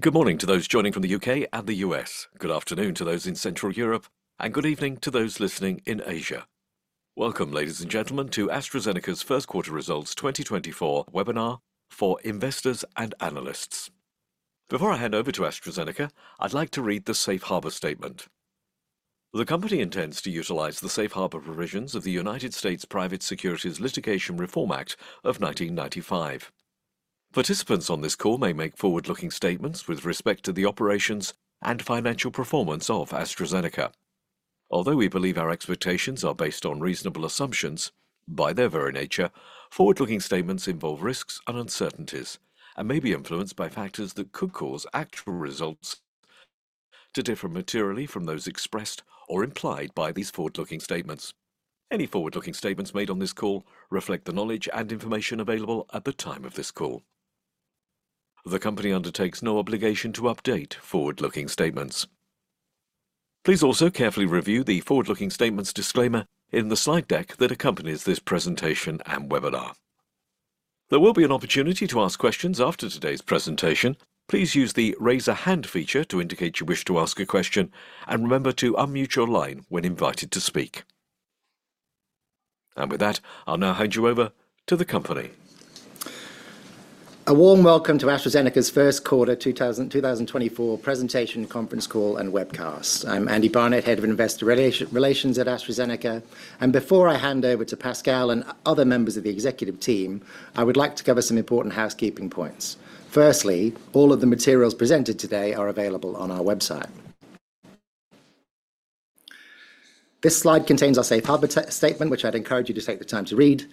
Good morning to those joining from the U.K. and the U.S. Good afternoon to those in Central Europe, and good evening to those listening in Asia. Welcome, ladies and gentlemen, to AstraZeneca's first quarter results 2024 webinar for investors and analysts. Before I hand over to AstraZeneca, I'd like to read the safe harbor statement. The company intends to utilize the safe harbor provisions of the United States Private Securities Litigation Reform Act of 1995. Participants on this call may make forward-looking statements with respect to the operations and financial performance of AstraZeneca. Although we believe our expectations are based on reasonable assumptions, by their very nature, forward-looking statements involve risks and uncertainties and may be influenced by factors that could cause actual results to differ materially from those expressed or implied by these forward-looking statements. Any forward-looking statements made on this call reflect the knowledge and information available at the time of this call. The company undertakes no obligation to update forward-looking statements. Please also carefully review the forward-looking statements disclaimer in the slide deck that accompanies this presentation and webinar. There will be an opportunity to ask questions after today's presentation. Please use the Raise a Hand feature to indicate you wish to ask a question, and remember to unmute your line when invited to speak. With that, I'll now hand you over to the company. A warm welcome to AstraZeneca's first quarter 2024 presentation, conference call, and webcast. I'm Andy Barnett, Head of Investor Relations at AstraZeneca, and before I hand over to Pascal and other members of the executive team, I would like to cover some important housekeeping points. Firstly, all of the materials presented today are available on our website. This slide contains our safe harbor statement, which I'd encourage you to take the time to read.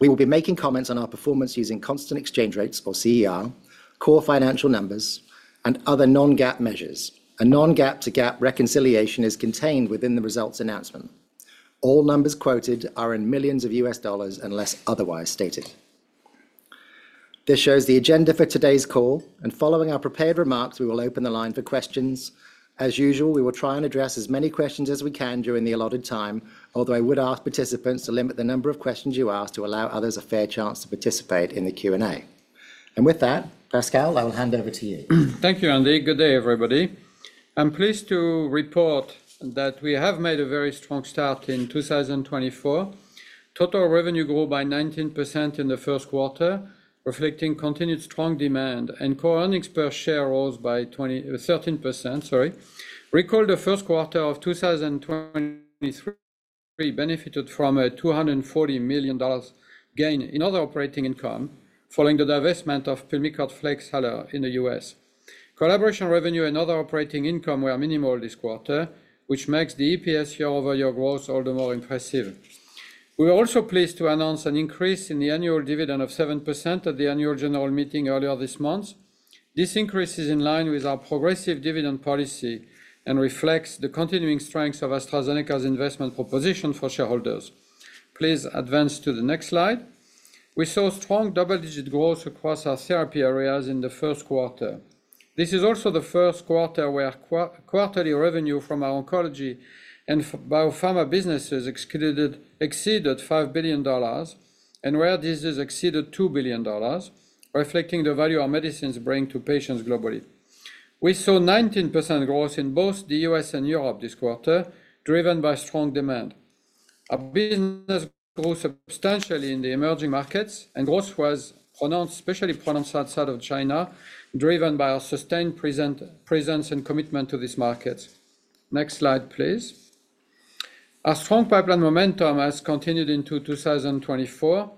We will be making comments on our performance using constant exchange rates or CER, core financial numbers, and other non-GAAP measures. A non-GAAP to GAAP reconciliation is contained within the results announcement. All numbers quoted are in millions US dollar unless otherwise stated. This shows the agenda for today's call, and following our prepared remarks, we will open the line for questions. As usual, we will try and address as many questions as we can during the allotted time, although I would ask participants to limit the number of questions you ask to allow others a fair chance to participate in the Q&A. With that, Pascal, I will hand over to you. Thank you, Andy. Good day, everybody. I'm pleased to report that we have made a very strong start in 2024. Total revenue grew by 19% in the first quarter, reflecting continued strong demand, and core earnings per share rose by 23%, sorry. Recall, the first quarter of 2023 benefited from a $240 million gain in other operating income, following the divestment of Pulmicort Flexhaler in the U.S. Collaboration revenue and other operating income were minimal this quarter, which makes the EPS year-over-year growth all the more impressive. We are also pleased to announce an increase in the annual dividend of 7% at the annual general meeting earlier this month. This increase is in line with our progressive dividend policy and reflects the continuing strength of AstraZeneca's investment proposition for shareholders. Please advance to the next slide. We saw strong double-digit growth across our therapy areas in the first quarter. This is also the first quarter where quarterly revenue from our oncology and biopharma businesses exceeded $5 billion and Rare Disease exceeded $2 billion, reflecting the value our medicines bring to patients globally. We saw 19% growth in both the U.S. and Europe this quarter, driven by strong demand. Our business grew substantially in the emerging markets, and growth was pronounced, especially outside of China, driven by our sustained presence and commitment to this market. Next slide, please. Our strong pipeline momentum has continued into 2024.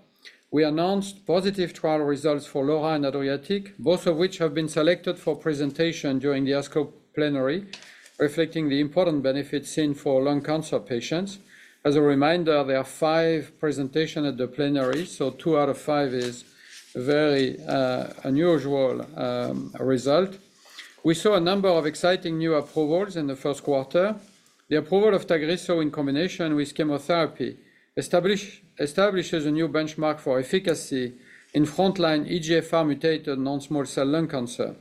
We announced positive trial results for LAURA and ADRIATIC, both of which have been selected for presentation during the ASCO Plenary, reflecting the important benefits seen for lung cancer patients. As a reminder, there are five presentations at the plenary, so two out of five is very unusual result. We saw a number of exciting new approvals in the first quarter. The approval of Tagrisso in combination with chemotherapy establishes a new benchmark for efficacy in frontline EGFR mutated non-small cell lung cancer.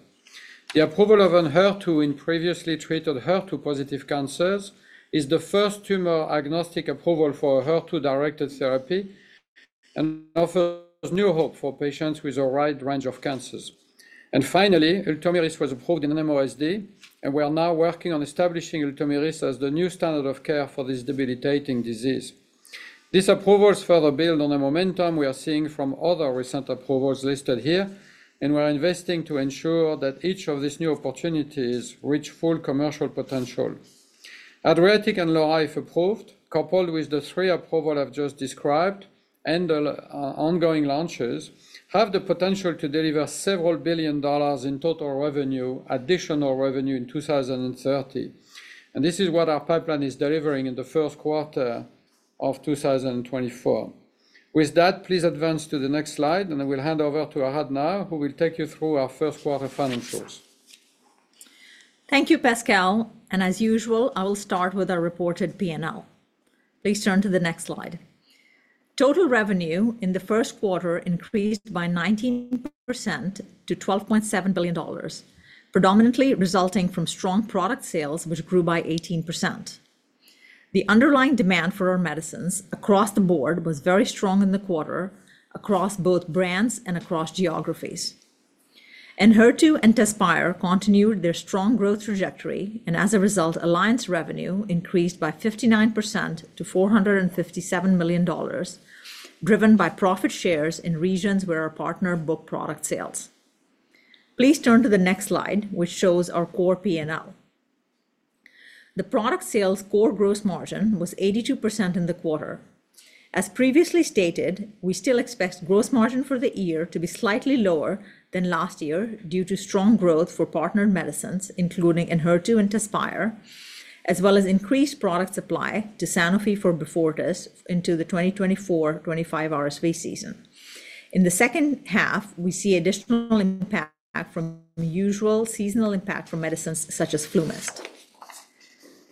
The approval of Enhertu in previously treated HER2-positive cancers is the first tumor-agnostic approval for a HER2-directed therapy and offers new hope for patients with a wide range of cancers. And finally, Ultomiris was approved in NMOSD, and we are now working on establishing Ultomiris as the new standard of care for this debilitating disease. These approvals further build on the momentum we are seeing from other recent approvals listed here, and we are investing to ensure that each of these new opportunities reach full commercial potential. ADRIATIC and LAURA approved, coupled with the three approval I've just described and the ongoing launches, have the potential to deliver several billion dollars in total revenue, additional revenue in 2030. This is what our pipeline is delivering in the first quarter of 2024. With that, please advance to the next slide, and I will hand over to Aradhana Sarin, who will take you through our first quarter financials. Thank you, Pascal, and as usual, I will start with our reported P&L. Please turn to the next slide. Total revenue in the first quarter increased by 19% to $12.7 billion, predominantly resulting from strong product sales, which grew by 18%. The underlying demand for our medicines across the board was very strong in the quarter, across both brands and across geographies. HER2 and TEZSPIRE continued their strong growth trajectory, and as a result, alliance revenue increased by 59% to $457 million, driven by profit shares in regions where our partner booked product sales. Please turn to the next slide, which shows our core P&L. The product sales core gross margin was 82% in the quarter. As previously stated, we still expect gross margin for the year to be slightly lower than last year due to strong growth for partnered medicines, including HER2 and TEZSPIRE, as well as increased product supply to Sanofi for Beyfortus into the 2024-2025 RSV season. In the second half, we see additional impact from usual seasonal impact from medicines such as FluMist.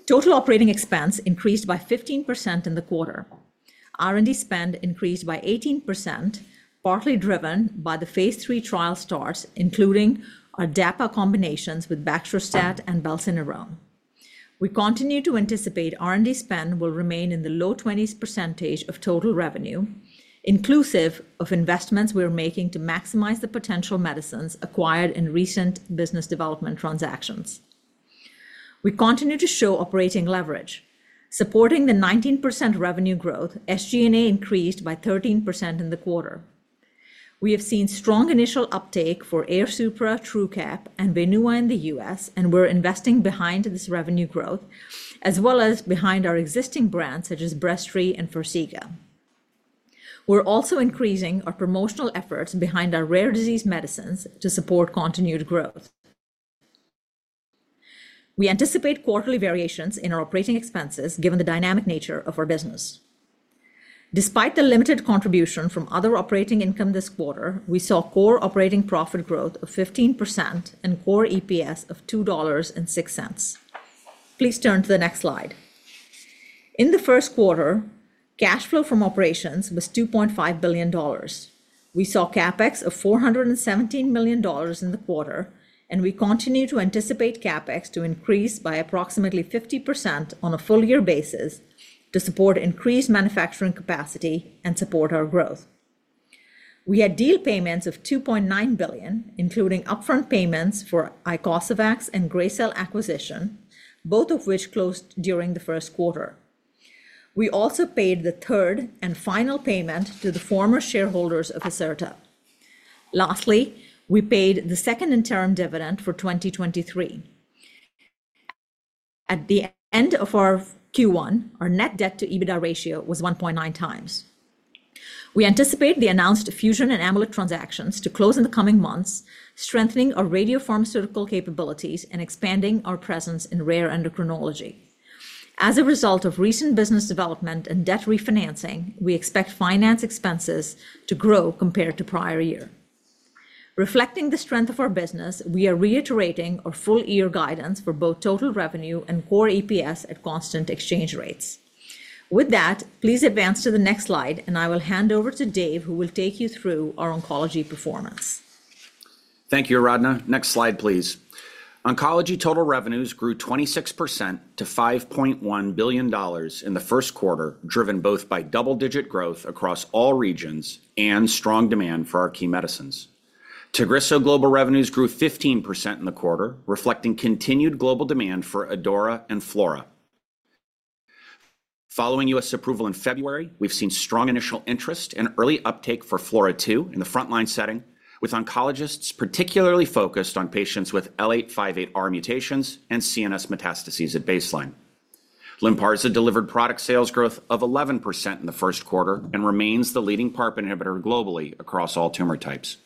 Total operating expense increased by 15% in the quarter. R&D spend increased by 18%, partly driven by the phase III trial starts, including our DAPA combinations with baxdrostat and zibotentan. We continue to anticipate R&D spend will remain in the low 20s% of total revenue, inclusive of investments we are making to maximize the potential medicines acquired in recent business development transactions. We continue to show operating leverage. Supporting the 19% revenue growth, SG&A increased by 13% in the quarter. We have seen strong initial uptake for AIRSUPRA, Truqap, and WAINUA in the U.S., and we're investing behind this revenue growth, as well as behind our existing brands, such as Breztri and Farxiga. We're also increasing our promotional efforts behind our rare disease medicines to support continued growth. We anticipate quarterly variations in our operating expenses, given the dynamic nature of our business. Despite the limited contribution from other operating income this quarter, we saw core operating profit growth of 15% and core EPS of $2.06. Please turn to the next slide. In the first quarter, cash flow from operations was $2.5 billion. We saw CapEx of $417 million in the quarter, and we continue to anticipate CapEx to increase by approximately 50% on a full year basis to support increased manufacturing capacity and support our growth. We had deal payments of $2.9 billion, including upfront payments for Icosavax and Gracell acquisition, both of which closed during the first quarter. We also paid the third and final payment to the former shareholders of Acerta. Lastly, we paid the second interim dividend for 2023. At the end of our Q1, our net debt to EBITDA ratio was 1.9x. We anticipate the announced Fusion and Amolyt transactions to close in the coming months, strengthening our radiopharmaceutical capabilities and expanding our presence in rare endocrinology. As a result of recent business development and debt refinancing, we expect finance expenses to grow compared to prior year. Reflecting the strength of our business, we are reiterating our full-year guidance for both total revenue and core EPS at constant exchange rates. With that, please advance to the next slide, and I will hand over to Dave, who will take you through our oncology performance. Thank you, Aradhana. Next slide, please. Oncology total revenues grew 26% to $5.1 billion in the first quarter, driven both by double-digit growth across all regions and strong demand for our key medicines. Tagrisso global revenues grew 15% in the quarter, reflecting continued global demand for ADAURA and FLAURA. Following U.S. approval in February, we've seen strong initial interest and early uptake for FLAURA2 in the frontline setting, with oncologists particularly focused on patients with L858R mutations and CNS metastases at baseline. Lynparza delivered product sales growth of 11% in the first quarter and remains the leading PARP inhibitor globally across all tumor types.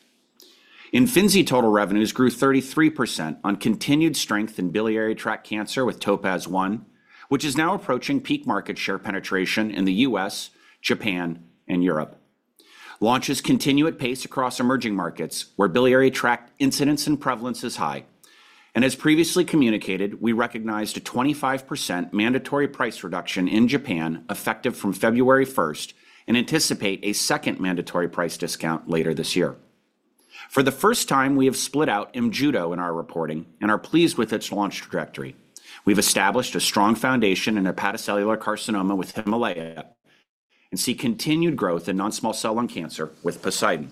Imfinzi total revenues grew 33% on continued strength in biliary tract cancer with TOPAZ-1, which is now approaching peak market share penetration in the U.S., Japan, and Europe. Launches continue at pace across emerging markets, where biliary tract incidence and prevalence is high, and as previously communicated, we recognized a 25% mandatory price reduction in Japan, effective from February first, and anticipate a second mandatory price discount later this year. For the first time, we have split out Imjudo in our reporting and are pleased with its launch trajectory. We've established a strong foundation in hepatocellular carcinoma with Himalaya and see continued growth in non-small cell lung cancer with Poseidon.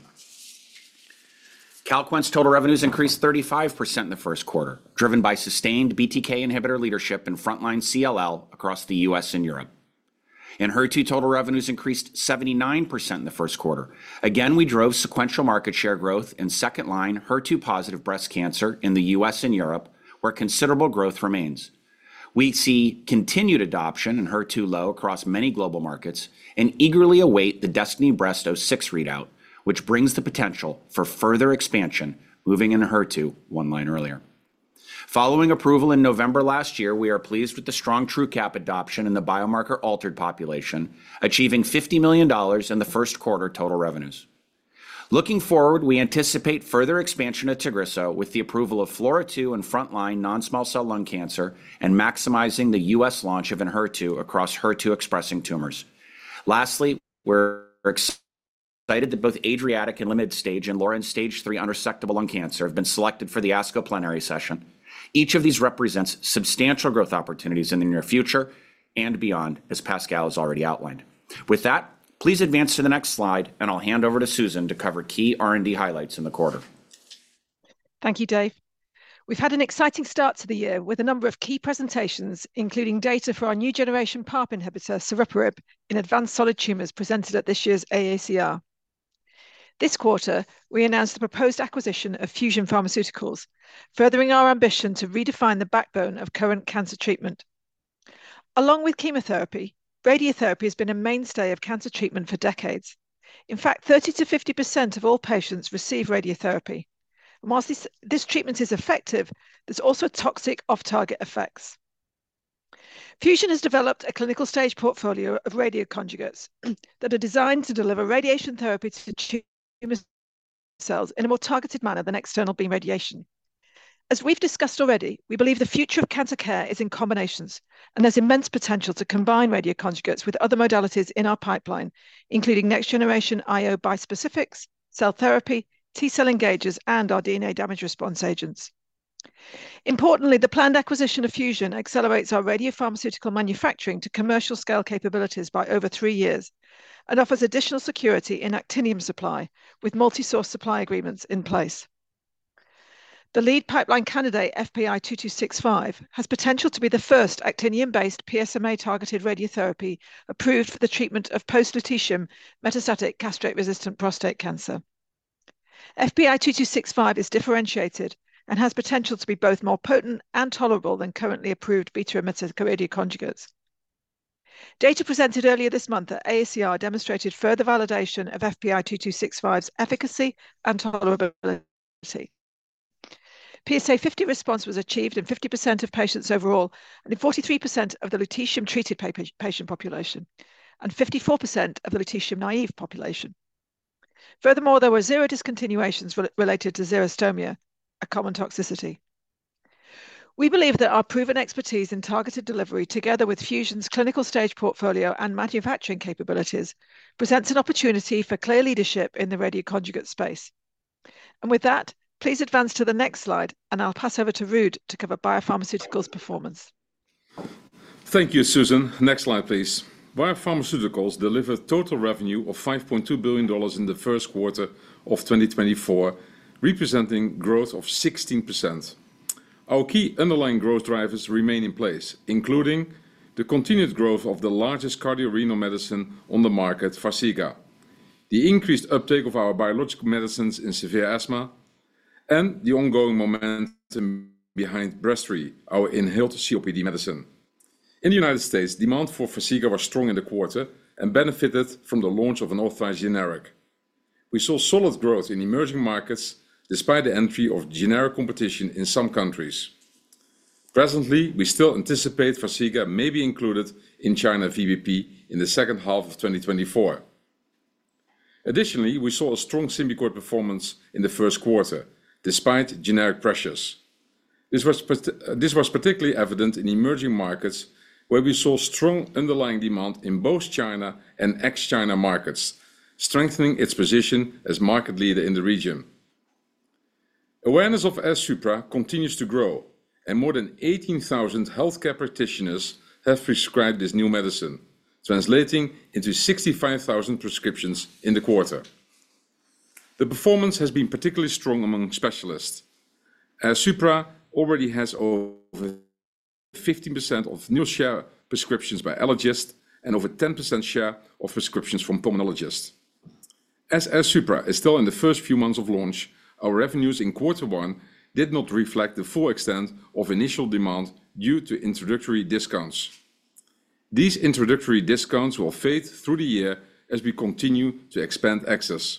Calquence total revenues increased 35% in the first quarter, driven by sustained BTK inhibitor leadership in frontline CLL across the U.S. and Europe. HER2 total revenues increased 79% in the first quarter. Again, we drove sequential market share growth in second-line, HER2-positive breast cancer in the U.S. and Europe, where considerable growth remains. We see continued adoption in HER2 label across many global markets and eagerly await the DESTINY-Breast06 readout, which brings the potential for further expansion, moving into HER2 one line earlier. Following approval in November last year, we are pleased with the strong Truqap adoption in the biomarker altered population, achieving $50 million in the first quarter total revenues. Looking forward, we anticipate further expansion of Tagrisso with the approval of FLAURA2 in frontline non-small cell lung cancer and maximizing the U.S. launch of HER2 across HER2-expressing tumors. Lastly, we're excited that both ADRIATIC in limited stage and LAURA stage III unresectable lung cancer have been selected for the ASCO plenary session. Each of these represents substantial growth opportunities in the near future and beyond, as Pascal has already outlined. With that, please advance to the next slide, and I'll hand over to Susan to cover key R&D highlights in the quarter. Thank you, Dave. We've had an exciting start to the year with a number of key presentations, including data for our new generation PARP inhibitor, saruparib, in advanced solid tumors presented at this year's AACR. This quarter, we announced the proposed acquisition of Fusion Pharmaceuticals, furthering our ambition to redefine the backbone of current cancer treatment. Along with chemotherapy, radiotherapy has been a mainstay of cancer treatment for decades. In fact, 30%-50% of all patients receive radiotherapy. While this treatment is effective, there's also toxic off-target effects. Fusion has developed a clinical stage portfolio of radioconjugates that are designed to deliver radiation therapy to the tumor cells in a more targeted manner than external beam radiation. As we've discussed already, we believe the future of cancer care is in combinations, and there's immense potential to combine radioconjugates with other modalities in our pipeline, including next generation IO bispecifics, cell therapy, T-cell engagers, and our DNA damage response agents. Importantly, the planned acquisition of Fusion accelerates our radiopharmaceutical manufacturing to commercial scale capabilities by over three years and offers additional security in actinium supply, with multi-source supply agreements in place. The lead pipeline candidate, FPI-2265, has potential to be the first actinium-based PSMA-targeted radiotherapy approved for the treatment of post-lutetium metastatic castration-resistant prostate cancer. FPI-2265 is differentiated and has potential to be both more potent and tolerable than currently approved beta-emitted radioconjugates. Data presented earlier this month at AACR demonstrated further validation of FPI-2265's efficacy and tolerability. PSA 50% response was achieved in 50% of patients overall and in 43% of the lutetium-treated patient population and 54% of the lutetium-naive population. Furthermore, there were zero discontinuations related to xerostomia, a common toxicity. We believe that our proven expertise in targeted delivery, together with Fusion's clinical stage portfolio and manufacturing capabilities, presents an opportunity for clear leadership in the radioconjugate space. With that, please advance to the next slide, and I'll pass over to Ruud to cover Biopharmaceuticals performance. Thank you, Susan. Next slide, please. Biopharmaceuticals delivered total revenue of $5.2 billion in the first quarter of 2024, representing growth of 16%. Our key underlying growth drivers remain in place, including the continued growth of the largest cardiorenal medicine on the market, Farxiga; the increased uptake of our biological medicines in severe asthma; and the ongoing momentum behind Breztri, our inhaled COPD medicine. In the United States, demand for Farxiga was strong in the quarter and benefited from the launch of an authorized generic. We saw solid growth in emerging markets despite the entry of generic competition in some countries. Presently, we still anticipate Farxiga may be included in China VBP in the second half of 2024. Additionally, we saw a strong Symbicort performance in the first quarter, despite generic pressures. This was particularly evident in emerging markets, where we saw strong underlying demand in both China and ex-China markets, strengthening its position as market leader in the region. Awareness of AIRSUPRA continues to grow, and more than 18,000 healthcare practitioners have prescribed this new medicine, translating into 65,000 prescriptions in the quarter. The performance has been particularly strong among specialists. AIRSUPRA already has over 50% of new share prescriptions by allergists and over 10% share of prescriptions from pulmonologists. As AIRSUPRA is still in the first few months of launch, our revenues in quarter one did not reflect the full extent of initial demand due to introductory discounts. These introductory discounts will fade through the year as we continue to expand access.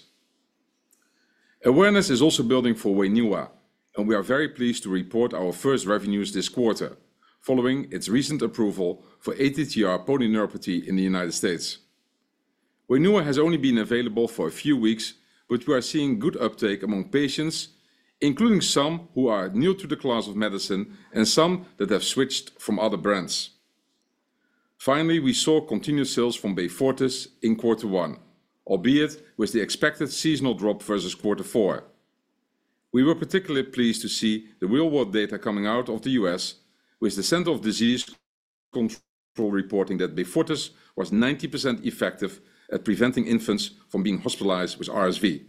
Awareness is also building for WAINUA, and we are very pleased to report our first revenues this quarter, following its recent approval for ATTR polyneuropathy in the United States. WAINUA has only been available for a few weeks, but we are seeing good uptake among patients, including some who are new to the class of medicine and some that have switched from other brands. Finally, we saw continued sales from Beyfortus in quarter one, albeit with the expected seasonal drop versus quarter four. We were particularly pleased to see the real-world data coming out of the U.S., with the Centers for Disease Control reporting that Beyfortus was 90% effective at preventing infants from being hospitalized with RSV.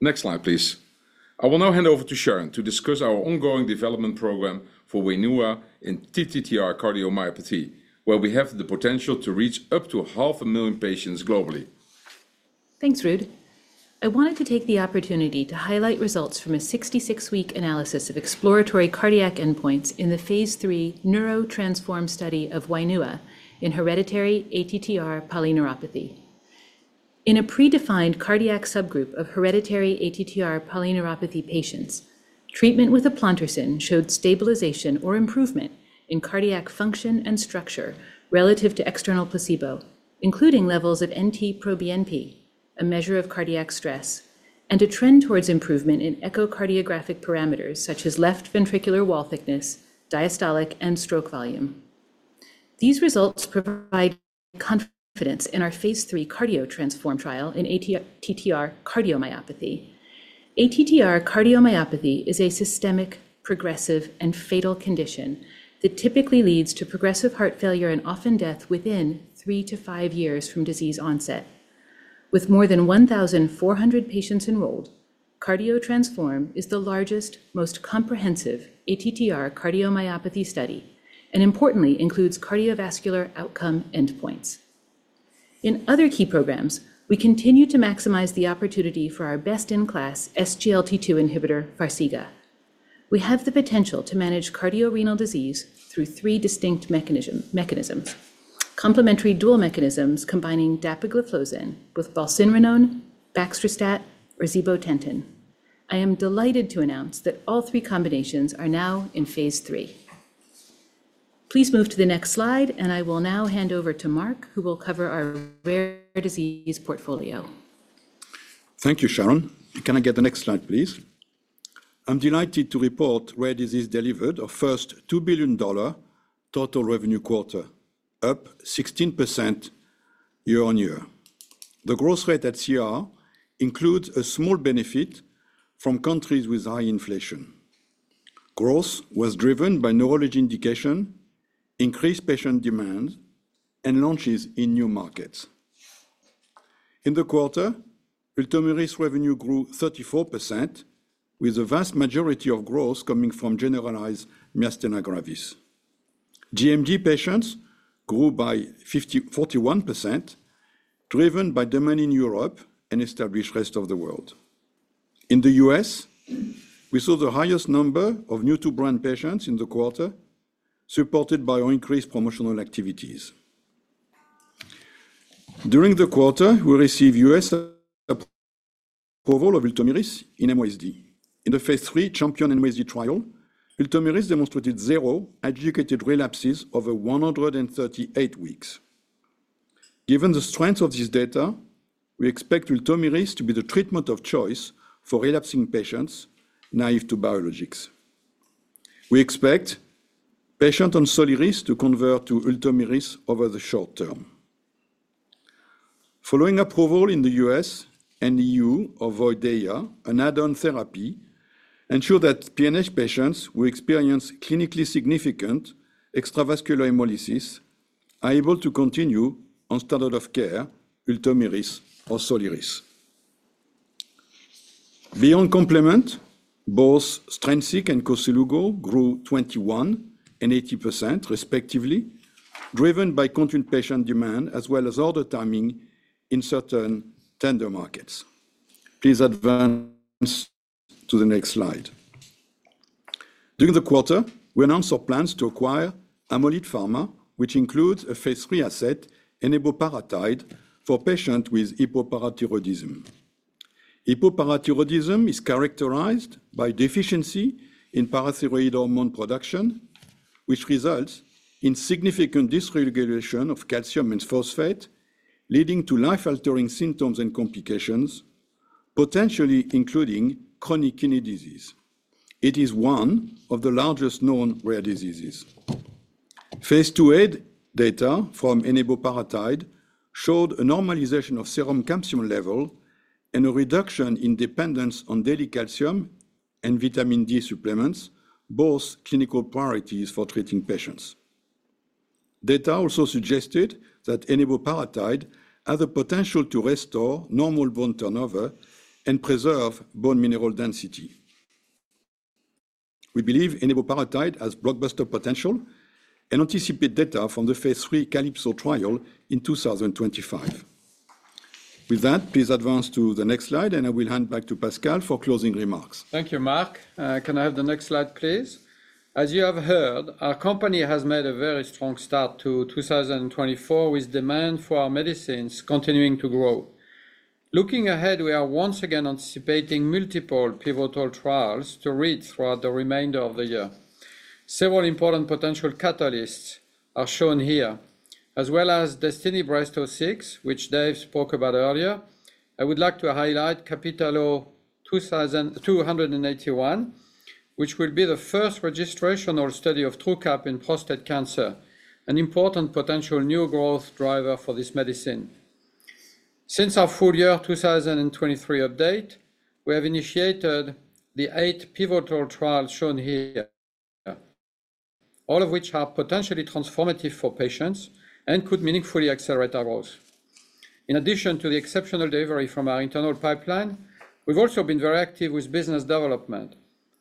Next slide, please. I will now hand over to Sharon to discuss our ongoing development program for WAINUA in TTR cardiomyopathy, where we have the potential to reach up to 500,000 patients globally. Thanks, Ruud. I wanted to take the opportunity to highlight results from a 66-week analysis of exploratory cardiac endpoints in the phase III NEURO-TTRansform study of WAINUA in hereditary ATTR polyneuropathy. In a predefined cardiac subgroup of hereditary ATTR polyneuropathy patients, treatment with eplontersen showed stabilization or improvement in cardiac function and structure relative to external placebo, including levels of NT-proBNP, a measure of cardiac stress, and a trend towards improvement in echocardiographic parameters such as left ventricular wall thickness, diastolic and stroke volume. These results provide confidence in our phase III CARDIO-TTRansform trial in ATTR cardiomyopathy. ATTR cardiomyopathy is a systemic, progressive, and fatal condition that typically leads to progressive heart failure and often death within three to five years from disease onset. With more than 1,400 patients enrolled, CARDIO-TTRansform is the largest, most comprehensive ATTR cardiomyopathy study, and importantly, includes cardiovascular outcome endpoints. In other key programs, we continue to maximize the opportunity for our best-in-class SGLT2 inhibitor, Farxiga. We have the potential to manage cardiorenal disease through three distinct mechanisms: complementary dual mechanisms combining dapagliflozin with valsartan, baxdrostat, or zibotentan. I am delighted to announce that all three combinations are now in phase III. Please move to the next slide, and I will now hand over to Marc, who will cover our rare disease portfolio. Thank you, Sharon. Can I get the next slide, please? I'm delighted to report Rare Disease delivered our first $2 billion total revenue quarter, up 16% year-on-year. The growth rate at CER includes a small benefit from countries with high inflation. Growth was driven by core indication, increased patient demand, and launches in new markets. In the quarter, Ultomiris revenue grew 34%, with the vast majority of growth coming from generalized myasthenia gravis. gMG patients grew by 54.1%, driven by demand in Europe and established rest of the world. In the U.S., we saw the highest number of new-to-brand patients in the quarter, supported by our increased promotional activities. During the quarter, we received US approval of Ultomiris in NMOSD. In the phase III CHAMPION-NMOSD trial, Ultomiris demonstrated zero adjudicated relapses over 138 weeks. Given the strength of this data, we expect Ultomiris to be the treatment of choice for relapsing patients naive to biologics. We expect patients on Soliris to convert to Ultomiris over the short term. Following approval in the U.S. and EU of Voydeya, an add-on therapy, ensure that PNH patients will experience clinically significant extravascular hemolysis, are able to continue on standard of care, Ultomiris or Soliris. Beyond complement, both Strensiq and Koselugo grew 21% and 80%, respectively, driven by continued patient demand as well as order timing in certain tender markets. Please advance to the next slide. During the quarter, we announced our plans to acquire Amolyt Pharma, which includes a phase III asset, eniboparatide, for patients with hypoparathyroidism. Hypoparathyroidism is characterized by deficiency in parathyroid hormone production, which results in significant dysregulation of calcium and phosphate, leading to life-altering symptoms and complications, potentially including chronic kidney disease. It is one of the largest known rare diseases. phase II-A data from eniboparatide showed a normalization of serum calcium level and a reduction in dependence on daily calcium and vitamin D supplements, both clinical priorities for treating patients. Data also suggested that eniboparatide has the potential to restore normal bone turnover and preserve bone mineral density. We believe eniboparatide has blockbuster potential and anticipate data from the phase III CALYPSO trial in 2025. With that, please advance to the next slide, and I will hand back to Pascal for closing remarks. Thank you, Marc. Can I have the next slide, please? As you have heard, our company has made a very strong start to 2024, with demand for our medicines continuing to grow. Looking ahead, we are once again anticipating multiple pivotal trials to read throughout the remainder of the year. Several important potential catalysts are shown here. As well as DESTINY-Breast06, which Dave spoke about earlier, I would like to highlight CAPItello 281, which will be the first registrational study of Truqap in prostate cancer, an important potential new growth driver for this medicine. Since our full year 2023 update, we have initiated the 8 pivotal trials shown here, all of which are potentially transformative for patients and could meaningfully accelerate our growth. In addition to the exceptional delivery from our internal pipeline, we've also been very active with business development,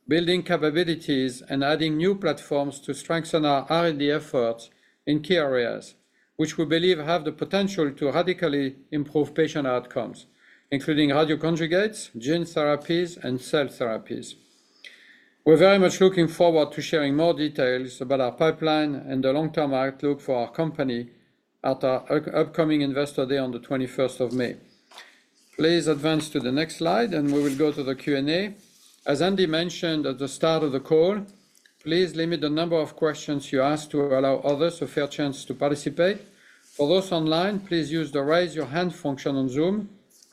building capabilities, and adding new platforms to strengthen our R&D efforts in key areas, which we believe have the potential to radically improve patient outcomes, including radioconjugates, gene therapies, and cell therapies. We're very much looking forward to sharing more details about our pipeline and the long-term outlook for our company at our upcoming Investor Day on the 21st of May. Please advance to the next slide, and we will go to the Q&A. As Andy mentioned at the start of the call, please limit the number of questions you ask to allow others a fair chance to participate. For those online, please use the Raise Your Hand function on Zoom.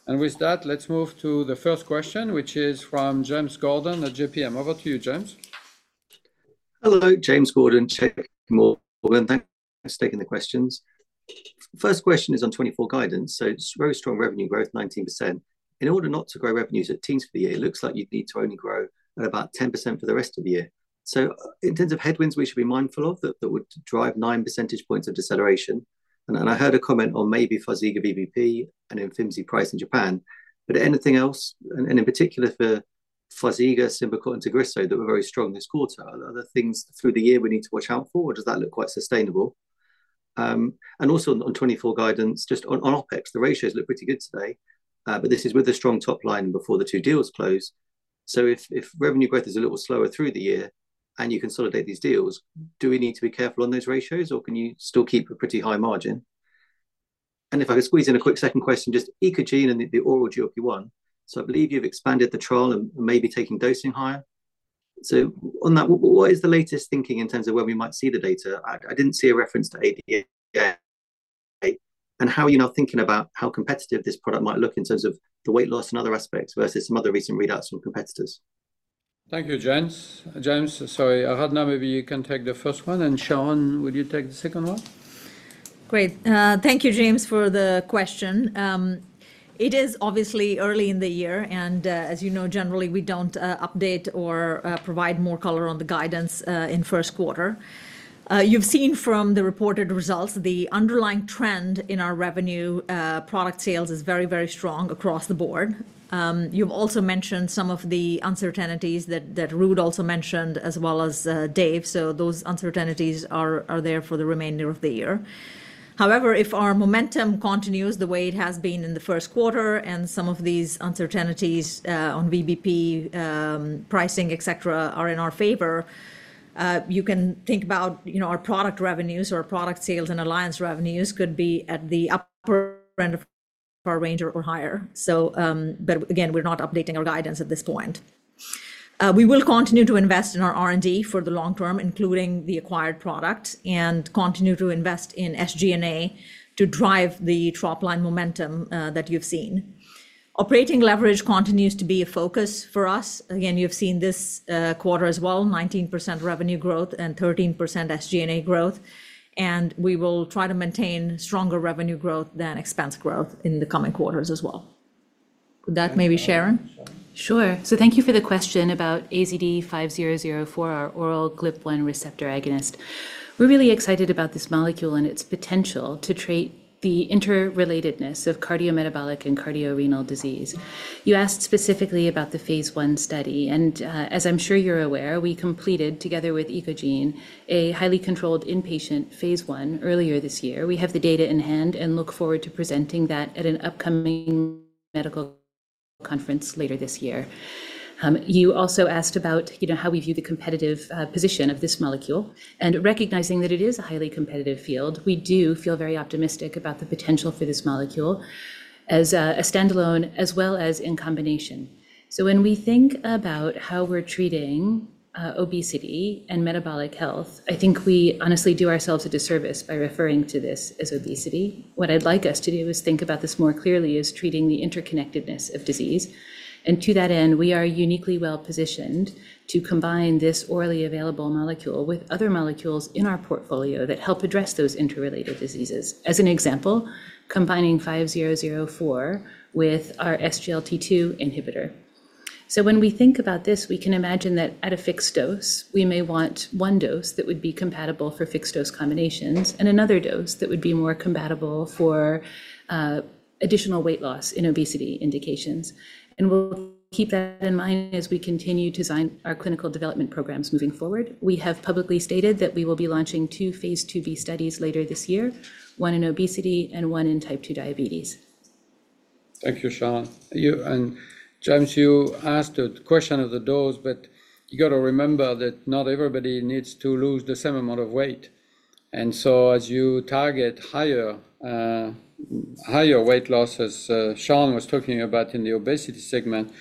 And with that, let's move to the first question, which is from James Gordon at JPM. Over to you, James. Hello, James Gordon, JPMorgan. Thanks for taking the questions. First question is on 2024 guidance. So it's very strong revenue growth, 19%. In order not to grow revenues at teens for the year, it looks like you'd need to only grow at about 10% for the rest of the year. So in terms of headwinds, we should be mindful of that, that would drive 9 percentage points of deceleration. And I heard a comment on maybe Farxiga, VBP and Imfinzi price in Japan, but anything else? And in particular for Farxiga, Symbicort, and Tagrisso, that were very strong this quarter. Are there things through the year we need to watch out for, or does that look quite sustainable? And also on 2024 guidance, just on OpEx, the ratios look pretty good today. But this is with a strong top line before the two deals close. So if revenue growth is a little slower through the year and you consolidate these deals, do we need to be careful on those ratios, or can you still keep a pretty high margin? And if I could squeeze in a quick second question, just Eccogene and the oral GLP-1. So I believe you've expanded the trial and maybe taking dosing higher. So on that, what is the latest thinking in terms of when we might see the data? I didn't see a reference to ADA, and how are you now thinking about how competitive this product might look in terms of the weight loss and other aspects versus some other recent readouts from competitors? Thank you, James. James, sorry. Aradhana, maybe you can take the first one, and Sharon, would you take the second one? Great. Thank you, James, for the question. It is obviously early in the year, and, as you know, generally, we don't update or provide more color on the guidance in first quarter. You've seen from the reported results, the underlying trend in our revenue, product sales is very, very strong across the board. You've also mentioned some of the uncertainties that Ruud also mentioned, as well as Dave. So those uncertainties are there for the remainder of the year. However, if our momentum continues the way it has been in the first quarter and some of these uncertainties on VBP, pricing, et cetera, are in our favor, you can think about, you know, our product revenues or product sales and alliance revenues could be at the upper end of our range or higher. But again, we're not updating our guidance at this point. We will continue to invest in our R&D for the long term, including the acquired product, and continue to invest in SG&A to drive the top-line momentum that you've seen. Operating leverage continues to be a focus for us. Again, you've seen this quarter as well, 19% revenue growth and 13% SG&A growth. We will try to maintain stronger revenue growth than expense growth in the coming quarters as well. With that, maybe Sharon? Sure. So thank you for the question about AZD5004, our oral GLP-1 receptor agonist. We're really excited about this molecule and its potential to treat the interrelatedness of cardiometabolic and cardiorenal disease. You asked specifically about the phase I study, and, as I'm sure you're aware, we completed, together with Eccogene, a highly controlled inpatient phase I earlier this year. We have the data in hand and look forward to presenting that at an upcoming medical conference later this year. You also asked about, you know, how we view the competitive position of this molecule. And recognizing that it is a highly competitive field, we do feel very optimistic about the potential for this molecule as a, a standalone as well as in combination. So when we think about how we're treating obesity and metabolic health, I think we honestly do ourselves a disservice by referring to this as obesity. What I'd like us to do is think about this more clearly as treating the interconnectedness of disease. And to that end, we are uniquely well-positioned to combine this orally available molecule with other molecules in our portfolio that help address those interrelated diseases. As an example, combining 5004 with our SGLT2 inhibitor. So when we think about this, we can imagine that at a fixed dose, we may want one dose that would be compatible for fixed-dose combinations and another dose that would be more compatible for additional weight loss in obesity indications. And we'll keep that in mind as we continue to design our clinical development programs moving forward. We have publicly stated that we will be launching two phase IIb studies later this year, one in obesity and one in type 2 diabetes. Thank you, Sharon. And James, you asked a question of the dose, but you got to remember that not everybody needs to lose the same amount of weight. And so as you target higher, higher weight loss, as Sharon was talking about in the obesity segment,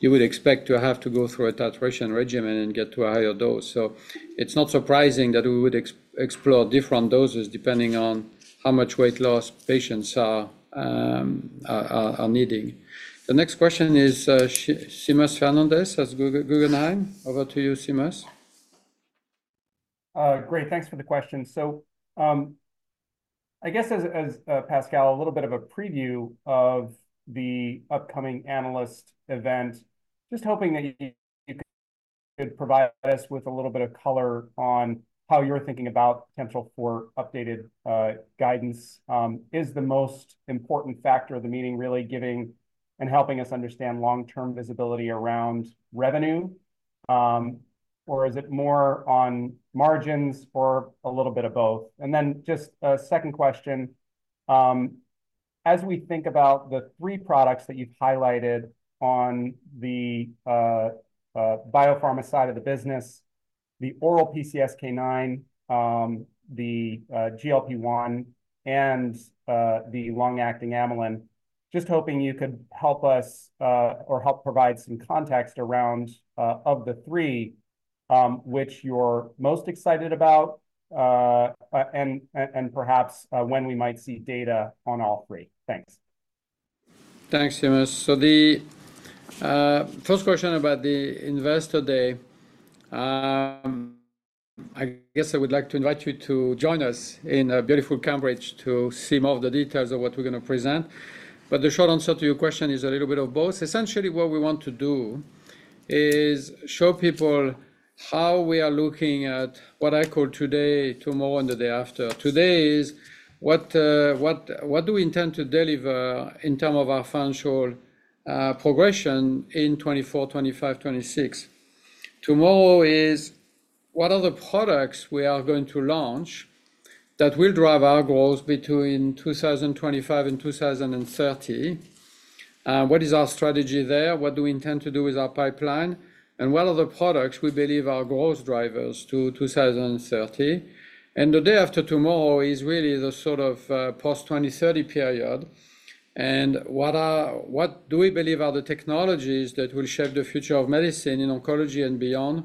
you would expect to have to go through a titration regimen and get to a higher dose. So it's not surprising that we would explore different doses depending on how much weight loss patients are needing. The next question is, Seamus Fernandez at Guggenheim. Over to you, Seamus. Great, thanks for the question. So, I guess as Pascal, a little bit of a preview of the upcoming analyst event, just hoping that you could provide us with a little bit of color on how you're thinking about potential for updated guidance. Is the most important factor of the meeting really giving and helping us understand long-term visibility around revenue, or is it more on margins or a little bit of both? And then just a second question: As we think about the three products that you've highlighted on the biopharma side of the business, the oral PCSK9, the GLP-1, and the long-acting amylin, just hoping you could help us or help provide some context around of the three which you're most excited about, and perhaps when we might see data on all three? Thanks. Thanks, James. So the first question about the Investor Day, I guess I would like to invite you to join us in beautiful Cambridge to see more of the details of what we're gonna present. But the short answer to your question is a little bit of both. Essentially, what we want to do is show people how we are looking at what I call today, tomorrow, and the day after. Today is what we intend to deliver in terms of our financial progression in 2024, 2025, 2026? Tomorrow is what are the products we are going to launch that will drive our growth between 2025 and 2030? What is our strategy there? What do we intend to do with our pipeline? What are the products we believe are growth drivers to 2030? And the day after tomorrow is really the sort of post-2030 period, and what do we believe are the technologies that will shape the future of medicine in oncology and beyond?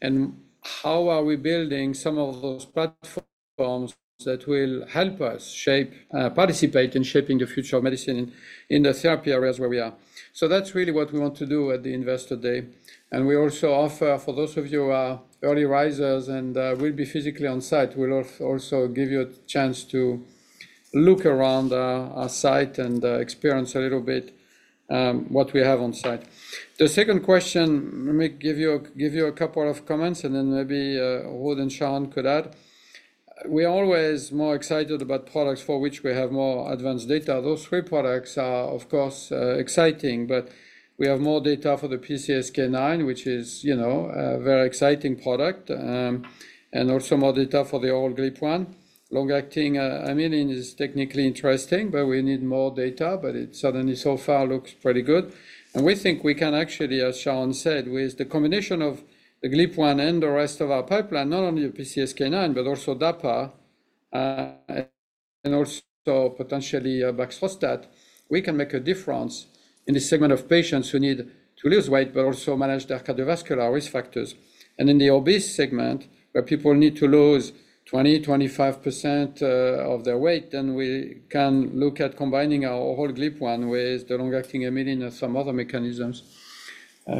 And how are we building some of those platforms that will help us shape, participate in shaping the future of medicine in the therapy areas where we are? So that's really what we want to do at the Investor Day. And we also offer, for those of you who are early risers and will be physically on site, we'll also give you a chance to look around our site and experience a little bit what we have on site. The second question, let me give you a couple of comments, and then maybe Ruud and Sharon could add. We're always more excited about products for which we have more advanced data. Those three products are, of course, exciting, but we have more data for the PCSK9, which is, you know, a very exciting product, and also more data for the oral GLP-1. Long-acting amylin is technically interesting, but we need more data, but it certainly, so far, looks pretty good. And we think we can actually, as Sharon said, with the combination of the GLP-1 and the rest of our pipeline, not only the PCSK9, but also DAPA, and also potentially baxdrostat, we can make a difference in the segment of patients who need to lose weight, but also manage their cardiovascular risk factors. In the obese segment, where people need to lose 20%-25% of their weight, then we can look at combining our oral GLP-1 with the long-acting amylin or some other mechanisms.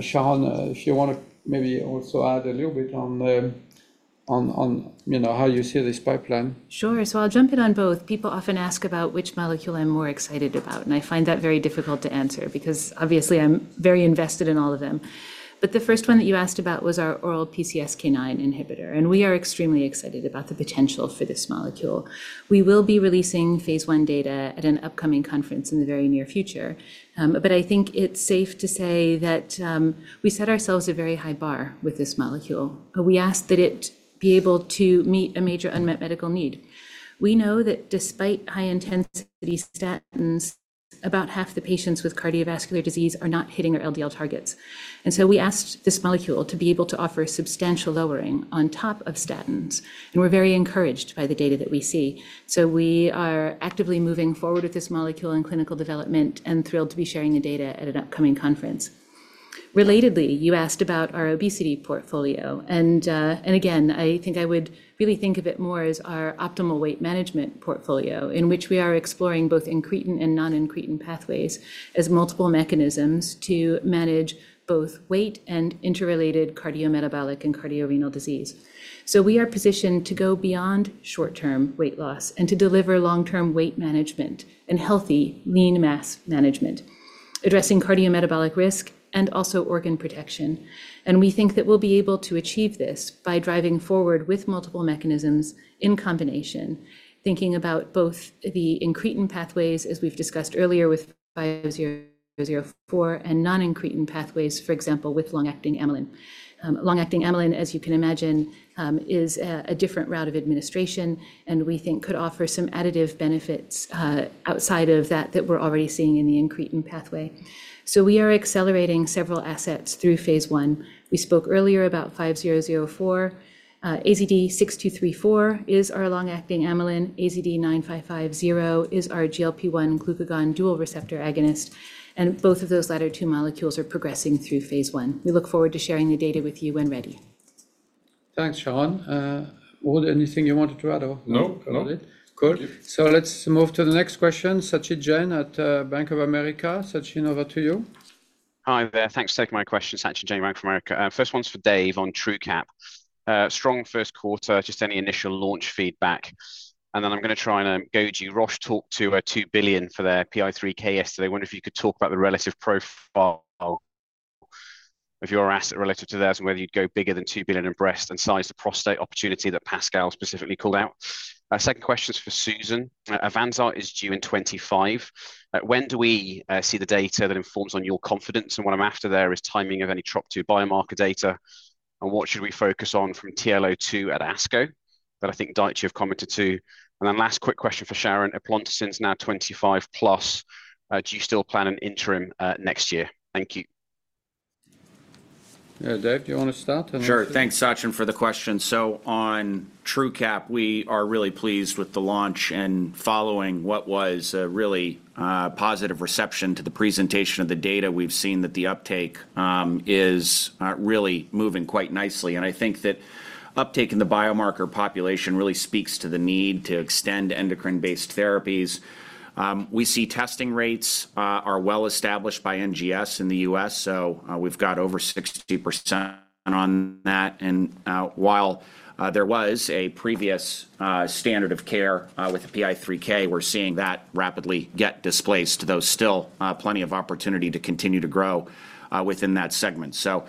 Sharon, if you wanna maybe also add a little bit on the, you know, how you see this pipeline. Sure. So I'll jump in on both. People often ask about which molecule I'm more excited about, and I find that very difficult to answer because obviously I'm very invested in all of them. But the first one that you asked about was our oral PCSK9 inhibitor, and we are extremely excited about the potential for this molecule. We will be releasing phase I data at an upcoming conference in the very near future. But I think it's safe to say that, we set ourselves a very high bar with this molecule, but we ask that it be able to meet a major unmet medical need. We know that despite high-intensity statins, about half the patients with cardiovascular disease are not hitting their LDL targets. And so we asked this molecule to be able to offer substantial lowering on top of statins, and we're very encouraged by the data that we see. So we are actively moving forward with this molecule in clinical development and thrilled to be sharing the data at an upcoming conference. Relatedly, you asked about our obesity portfolio, and, and again, I think I would really think of it more as our optimal weight management portfolio, in which we are exploring both incretin and non-incretin pathways as multiple mechanisms to manage both weight and interrelated cardiometabolic and cardiorenal disease. So we are positioned to go beyond short-term weight loss and to deliver long-term weight management and healthy lean mass management, addressing cardiometabolic risk and also organ protection. We think that we'll be able to achieve this by driving forward with multiple mechanisms in combination, thinking about both the incretin pathways, as we've discussed earlier, with 5004, and non-incretin pathways, for example, with long-acting amylin. Long-acting amylin, as you can imagine, is a different route of administration, and we think could offer some additive benefits, outside of that, that we're already seeing in the incretin pathway. So we are accelerating several assets through phase I. We spoke earlier about 5004. AZD6234 is our long-acting amylin. AZD9550 is our GLP-1 glucagon dual receptor agonist, and both of those latter two molecules are progressing through phase I. We look forward to sharing the data with you when ready. Thanks, Sharon. Ruud, anything you wanted to add or- No, no. Cool. Let's move to the next question. Sachin Jain at Bank of America. Sachin, over to you. Hi there. Thanks for taking my question. Sachin Jain, Bank of America. First one's for Dave on Truqap. Strong first quarter, just any initial launch feedback? And then I'm gonna try and go to Roche, talked to $2 billion for their PI3K yesterday. I wonder if you could talk about the relative profile of your asset relative to theirs and whether you'd go bigger than $2 billion in breast and size the prostate opportunity that Pascal specifically called out. Second question is for Susan. Avanza is due in 2025. When do we see the data that informs on your confidence? And what I'm after there is timing of any TROP2 biomarker data, and what should we focus on from TL02 at ASCO that I think Daiichi have commented to? And then last quick question for Sharon. Ultomiris is now 25+, do you still plan an interim next year? Thank you. Yeah, Dave, do you want to start? Sure. Thanks, Sachin, for the question. So on Truqap, we are really pleased with the launch and following what was a really positive reception to the presentation of the data. We've seen that the uptake is really moving quite nicely, and I think that uptake in the biomarker population really speaks to the need to extend endocrine-based therapies. We see testing rates are well established by NGS in the U.S., so we've got over 60% on that. And while there was a previous standard of care with the PI3K, we're seeing that rapidly get displaced, though still plenty of opportunity to continue to grow within that segment. So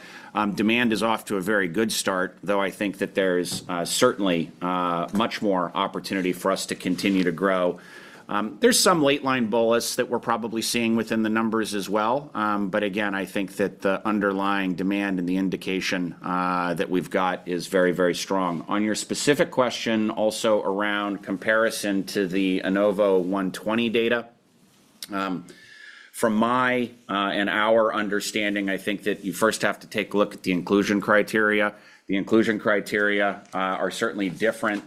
demand is off to a very good start, though I think that there's certainly much more opportunity for us to continue to grow. There's some late line bolus that we're probably seeing within the numbers as well. But again, I think that the underlying demand and the indication that we've got is very, very strong. On your specific question, also around comparison to the INAVO120 data, from my, and our understanding, I think that you first have to take a look at the inclusion criteria. The inclusion criteria are certainly different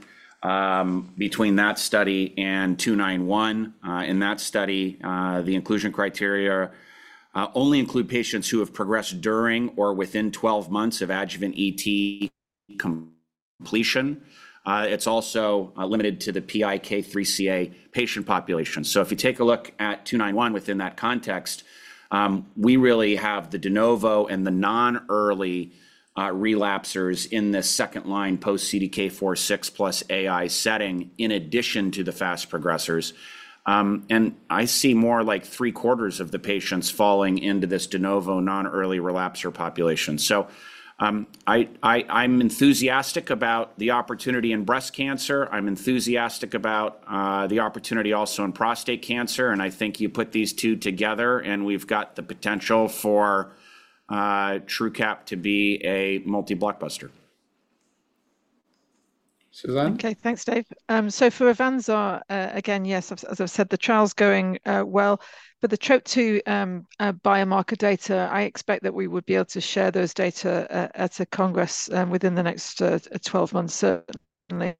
between that study and 291. In that study, the inclusion criteria only include patients who have progressed during or within 12 months of adjuvant ET completion. It's also limited to the PIK3CA patient population. So if you take a look at 291 within that context, we really have the de novo and the non-early relapsers in this second-line post-CDK4/6 plus AI setting, in addition to the fast progressors. And I see more like three-quarters of the patients falling into this de novo non-early relapser population. So, I'm enthusiastic about the opportunity in breast cancer. I'm enthusiastic about the opportunity also in prostate cancer, and I think you put these two together, and we've got the potential for Truqap to be a multi-blockbuster. Susan? Okay, thanks, Dave. So for AVANZAR, again, yes, as I've said, the trial's going well, but the TROP-2 biomarker data, I expect that we would be able to share those data at a congress within the next 12 months, certainly.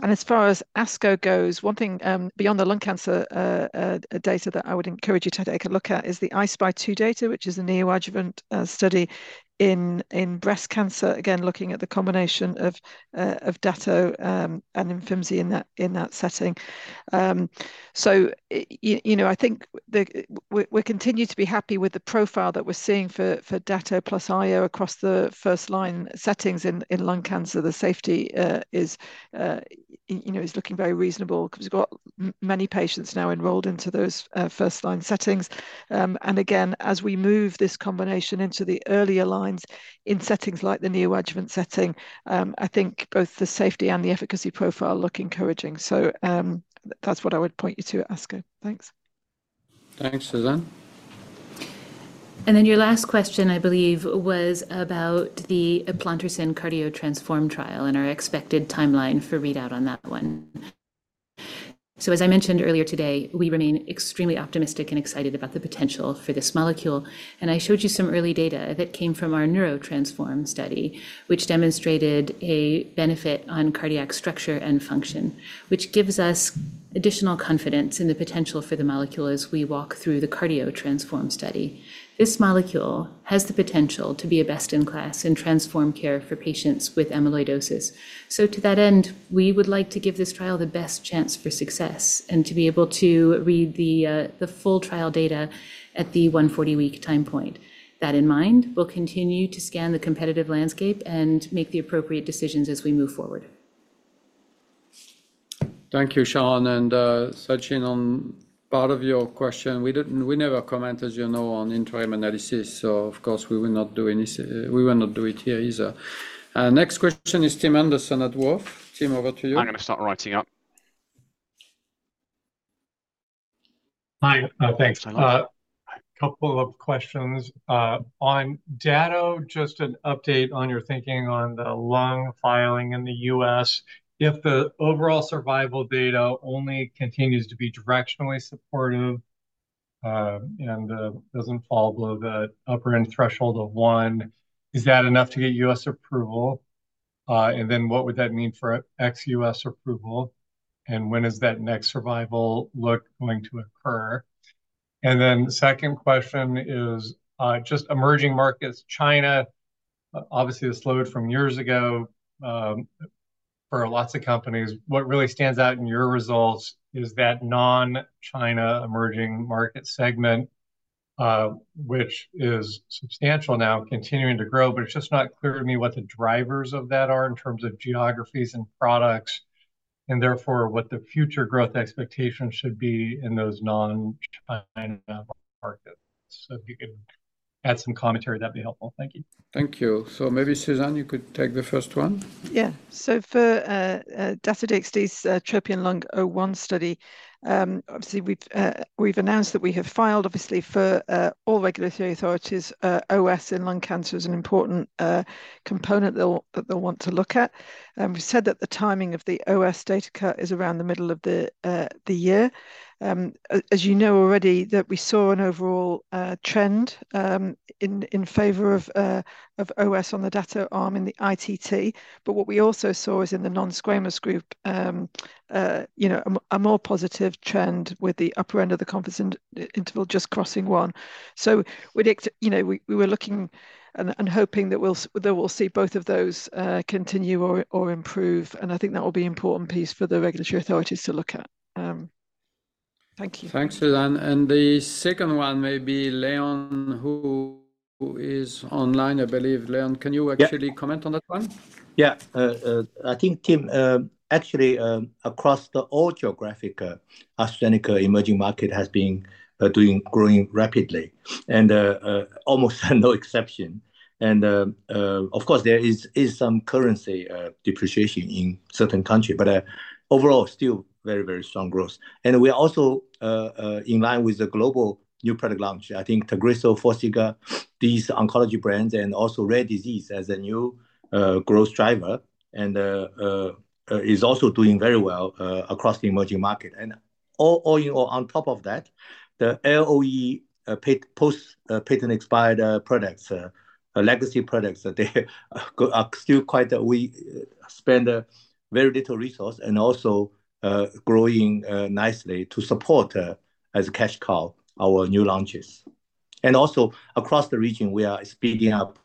And as far as ASCO goes, one thing beyond the lung cancer data that I would encourage you to take a look at is the I-SPY 2 data, which is a neoadjuvant study in breast cancer, again, looking at the combination of dato and Imfinzi in that setting. So you know, I think the. We continue to be happy with the profile that we're seeing for dato plus IO across the first-line settings in lung cancer. The safety, you know, is looking very reasonable because we've got many patients now enrolled into those first-line settings. And again, as we move this combination into the earlier lines in settings like the neoadjuvant setting, I think both the safety and the efficacy profile look encouraging. So, that's what I would point you to at ASCO. Thanks. Thanks, Susan. Then your last question, I believe, was about the eplontersen CARDIO-TTRansform trial and our expected timeline for readout on that one. So as I mentioned earlier today, we remain extremely optimistic and excited about the potential for this molecule, and I showed you some early data that came from our NEURO-TTRansform study, which demonstrated a benefit on cardiac structure and function, which gives us additional confidence in the potential for the molecule as we walk through the CARDIO-TTRansform study. This molecule has the potential to be a best-in-class and transform care for patients with amyloidosis. So to that end, we would like to give this trial the best chance for success and to be able to read the, the full data at the 140-week time point. That in mind, we'll continue to scan the competitive landscape and make the appropriate decisions as we move forward. Thank you, Sharon. Sachin, on part of your question, we didn't—we never comment, as you know, on interim analysis, so of course, we will not do any. We will not do it here either. Next question is Tim Anderson at Wolfe. Tim, over to you. I'm going to start writing up. Hi. Thanks. Hi. A couple of questions. On dato, just an update on your thinking on the lung filing in the U.S. If the overall survival data only continues to be directionally supportive, and doesn't fall below the upper-end threshold of one, is that enough to get U.S. approval? What would that mean for ex-U.S. approval, and when is that next survival look going to occur? The second question is, just emerging markets. China, obviously, has slowed from years ago, for lots of companies. What really stands out in your results is that non-China emerging market segment, which is substantial now, continuing to grow, but it's just not clear to me what the drivers of that are in terms of geographies and products, and therefore, what the future growth expectations should be in those non-China markets. If you could add some commentary, that'd be helpful. Thank you. Thank you. So maybe, Susan, you could take the first one? Yeah. So for Dato-DXd's TROPION-Lung01 study, obviously, we've announced that we have filed, obviously, for all regulatory authorities. OS in lung cancer is an important component they'll, that they'll want to look at. We said that the timing of the OS data cut is around the middle of the year. As you know already, that we saw an overall trend in favor of OS on the dato arm in the ITT. But what we also saw is in the non-squamous group, you know, a more positive trend with the upper end of the confidence interval just crossing one. So with it, you know, we were looking and hoping that we'll see both of those continue or improve, and I think that will be important piece for the regulatory authorities to look at. Thank you. Thanks, Susan. The second one may be Leon, who is online, I believe. Leon, can you- Yeah actually comment on that one? Yeah. I think, Tim, actually, across all geographic, AstraZeneca emerging market has been doing, growing rapidly, and almost no exception. And, of course, there is some currency depreciation in certain country, but overall, still very, very strong growth. And we are also in line with the global new product launch. I think Tagrisso, Farxiga, these oncology brands, and also rare disease as a new growth driver, and is also doing very well across the emerging market. And all in all, on top of that, the LOE, post patent expired products, legacy products, that they are still quite, we spend very little resource and also growing nicely to support as a cash cow, our new launches. And also, across the region, we are speeding up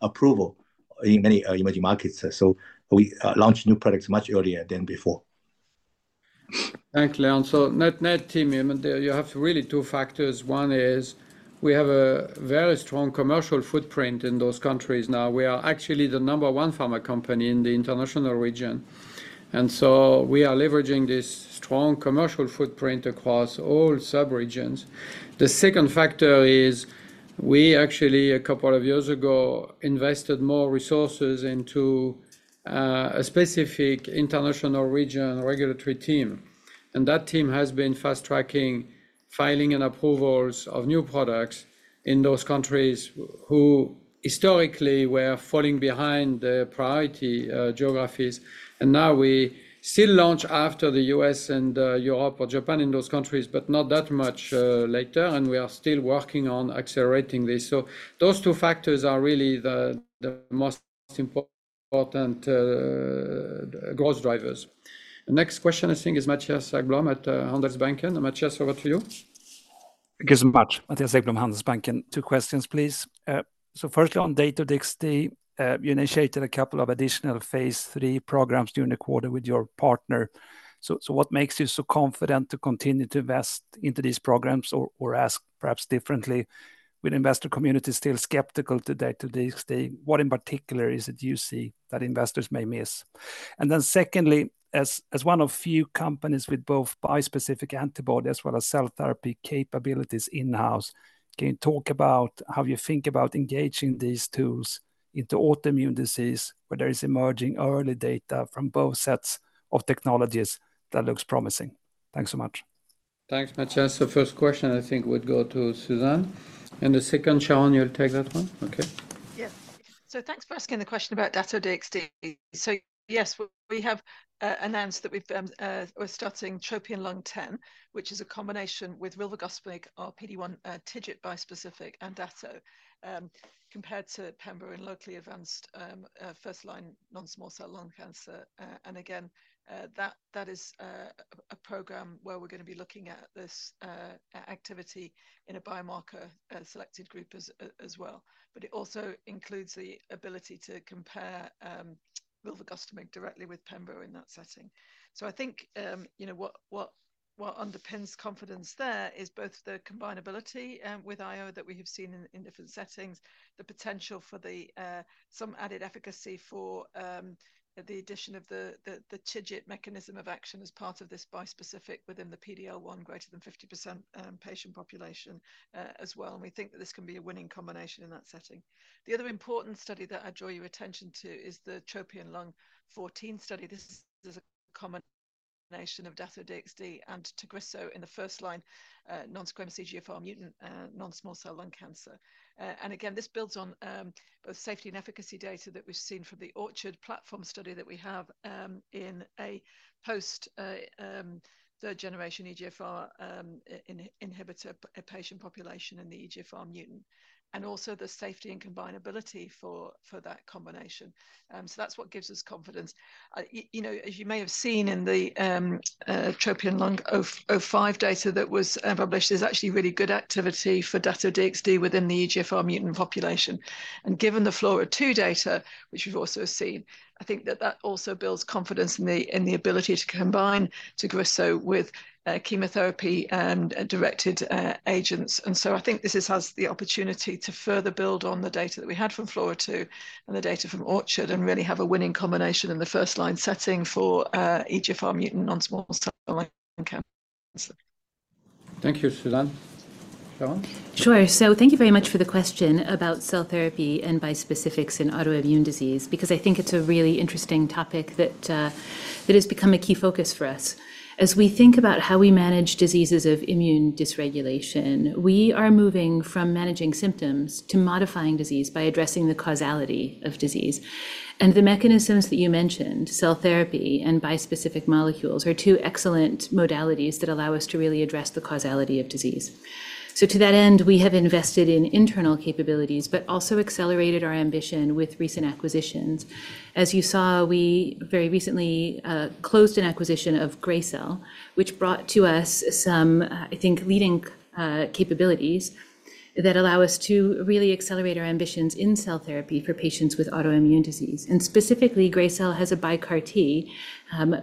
approval in many emerging markets. So we launch new products much earlier than before. Thanks, Leon. So net-net, Tim, you have really two factors. One is we have a very strong commercial footprint in those countries now. We are actually the number one pharma company in the international region, and so we are leveraging this strong commercial footprint across all sub-regions. The second factor is we actually, a couple of years ago, invested more resources into a specific international region regulatory team, and that team has been fast-tracking filing and approvals of new products in those countries who historically were falling behind the priority geographies. And now we still launch after the U.S. and Europe or Japan in those countries, but not that much later, and we are still working on accelerating this. So those two factors are really the most important growth drivers. The next question, I think, is Mattias Häggblom at Handelsbanken. Mattias, over to you. Thank you so much. Mattias Häggblom, Handelsbanken. Two questions, please. So firstly, on Dato-DXd, you initiated a couple of additional phase III programs during the quarter with your partner. So what makes you so confident to continue to invest into these programs? Or ask perhaps differently, with investor community still skeptical today to DXd, what in particular is it you see that investors may miss? And then secondly, as one of few companies with both bispecific antibody as well as cell therapy capabilities in-house, can you talk about how you think about engaging these tools into autoimmune disease, where there is emerging early data from both sets of technologies that looks promising? Thanks so much. Thanks, Mattias. So first question, I think, would go to Susan, and the second, Sharon, you'll take that one? Okay. Yeah. So thanks for asking the question about Dato-DXd. So yes, we have announced that we're starting TROPION-Lung10, which is a combination with rilvegostomig, our PD-1 TIGIT bispecific, and Dato-DXd, compared to pembro in locally advanced first-line non-small cell lung cancer. And again, that is a program where we're going to be looking at this activity in a biomarker selected group as well. But it also includes the ability to compare rilvegostomig directly with pembro in that setting. So I think, you know what underpins confidence there is both the combinability, with IO that we have seen in different settings, the potential for the some added efficacy for the addition of the TIGIT mechanism of action as part of this bispecific within the PD-L1 greater than 50% patient population, as well. And we think that this can be a winning combination in that setting. The other important study that I draw your attention to is the TROPION-Lung14 study. This is a combination of Dato-DXd and Tagrisso in the first-line, non-squamous EGFR mutant, non-small cell lung cancer. And again, this builds on both safety and efficacy data that we've seen from the ORCHARD platform study that we have in a post third-generation EGFR inhibitor patient population in the EGFR mutant, and also the safety and combinability for that combination. So that's what gives us confidence. You know, as you may have seen in the TROPION-Lung05 data that was published, there's actually really good activity for Dato-DXd within the EGFR mutant population. And given the FLAURA2 data, which we've also seen, I think that that also builds confidence in the ability to combine Tagrisso with chemotherapy and directed agents. So I think this has the opportunity to further build on the data that we had from FLAURA2 and the data from ORCHARD and really have a winning combination in the first-line setting for EGFR mutant non-small cell lung cancer. Thank you, Susan. Sharon? Sure. So thank you very much for the question about cell therapy and bispecifics in autoimmune disease, because I think it's a really interesting topic that has become a key focus for us. As we think about how we manage diseases of immune dysregulation, we are moving from managing symptoms to modifying disease by addressing the causality of disease. And the mechanisms that you mentioned, cell therapy and bispecific molecules, are two excellent modalities that allow us to really address the causality of disease. So to that end, we have invested in internal capabilities, but also accelerated our ambition with recent acquisitions. As you saw, we very recently closed an acquisition of Gracell, which brought to us some I think leading capabilities that allow us to really accelerate our ambitions in cell therapy for patients with autoimmune disease. And specifically, Gracell has a biCAR-T,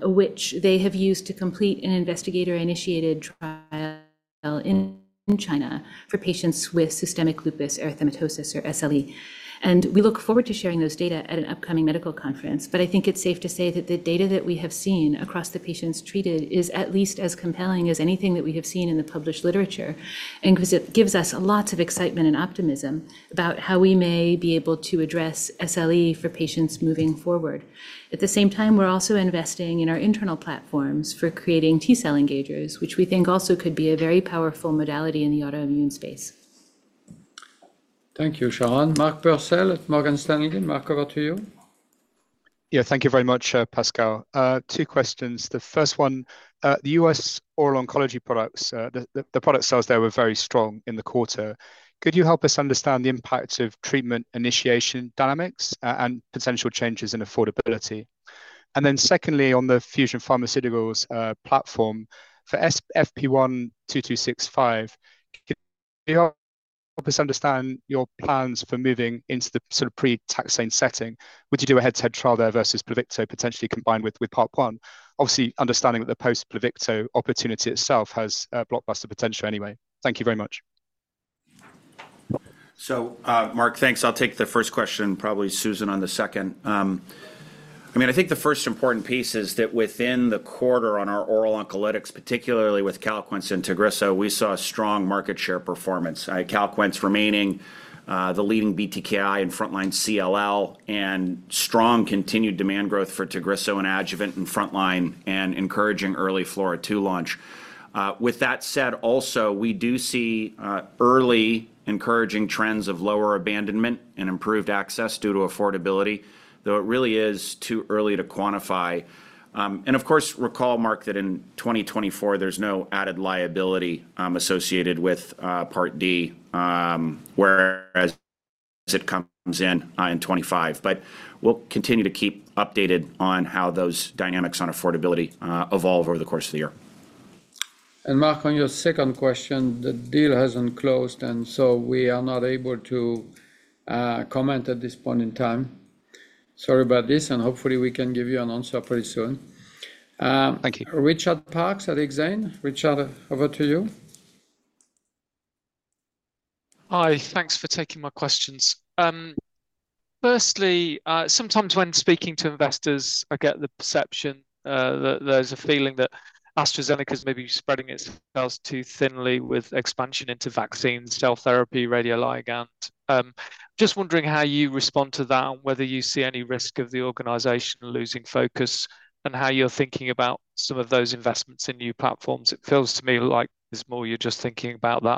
which they have used to complete an investigator-initiated trial in China for patients with systemic lupus erythematosus or SLE. And we look forward to sharing those data at an upcoming medical conference. But I think it's safe to say that the data that we have seen across the patients treated is at least as compelling as anything that we have seen in the published literature. And 'cause it gives us lots of excitement and optimism about how we may be able to address SLE for patients moving forward. At the same time, we're also investing in our internal platforms for creating T-cell engagers, which we think also could be a very powerful modality in the autoimmune space. Thank you, Sharon. Mark Purcell at Morgan Stanley. Mark, over to you. Yeah, thank you very much, Pascal. Two questions. The first one, the U.S. oral oncology products, the product sales there were very strong in the quarter. Could you help us understand the impact of treatment initiation dynamics, and potential changes in affordability? And then secondly, on the Fusion Pharmaceuticals platform, for FPI-2265, could you help us understand your plans for moving into the sort of pre-taxane setting? Would you do a head-to-head trial there versus Pluvicto, potentially combined with PARP1? Obviously, understanding that the post-Pluvicto opportunity itself has blockbuster potential anyway. Thank you very much. So, Mark, thanks. I'll take the first question, and probably Susan on the second. I mean, I think the first important piece is that within the quarter on our oral oncolytics, particularly with Calquence and Tagrisso, we saw a strong market share performance. Calquence remaining the leading BTKI in frontline CLL, and strong continued demand growth for Tagrisso in adjuvant and frontline, and encouraging early FLAURA2 launch. With that said, also, we do see early encouraging trends of lower abandonment and improved access due to affordability, though it really is too early to quantify. And of course, recall, Mark, that in 2024, there's no added liability associated with Part D, whereas it comes in in 2025. But we'll continue to keep updated on how those dynamics on affordability evolve over the course of the year. And Mark, on your second question, the deal hasn't closed, and so we are not able to comment at this point in time. Sorry about this, and hopefully, we can give you an answer pretty soon. Thank you. Richard Parks at Exane. Richard, over to you. Hi, thanks for taking my questions. Firstly, sometimes when speaking to investors, I get the perception that there's a feeling that AstraZeneca is maybe spreading its foci too thinly with expansion into vaccines, cell therapy, radioligand. Just wondering how you respond to that, and whether you see any risk of the organization losing focus, and how you're thinking about some of those investments in new platforms. It feels to me like there's more you're just thinking about than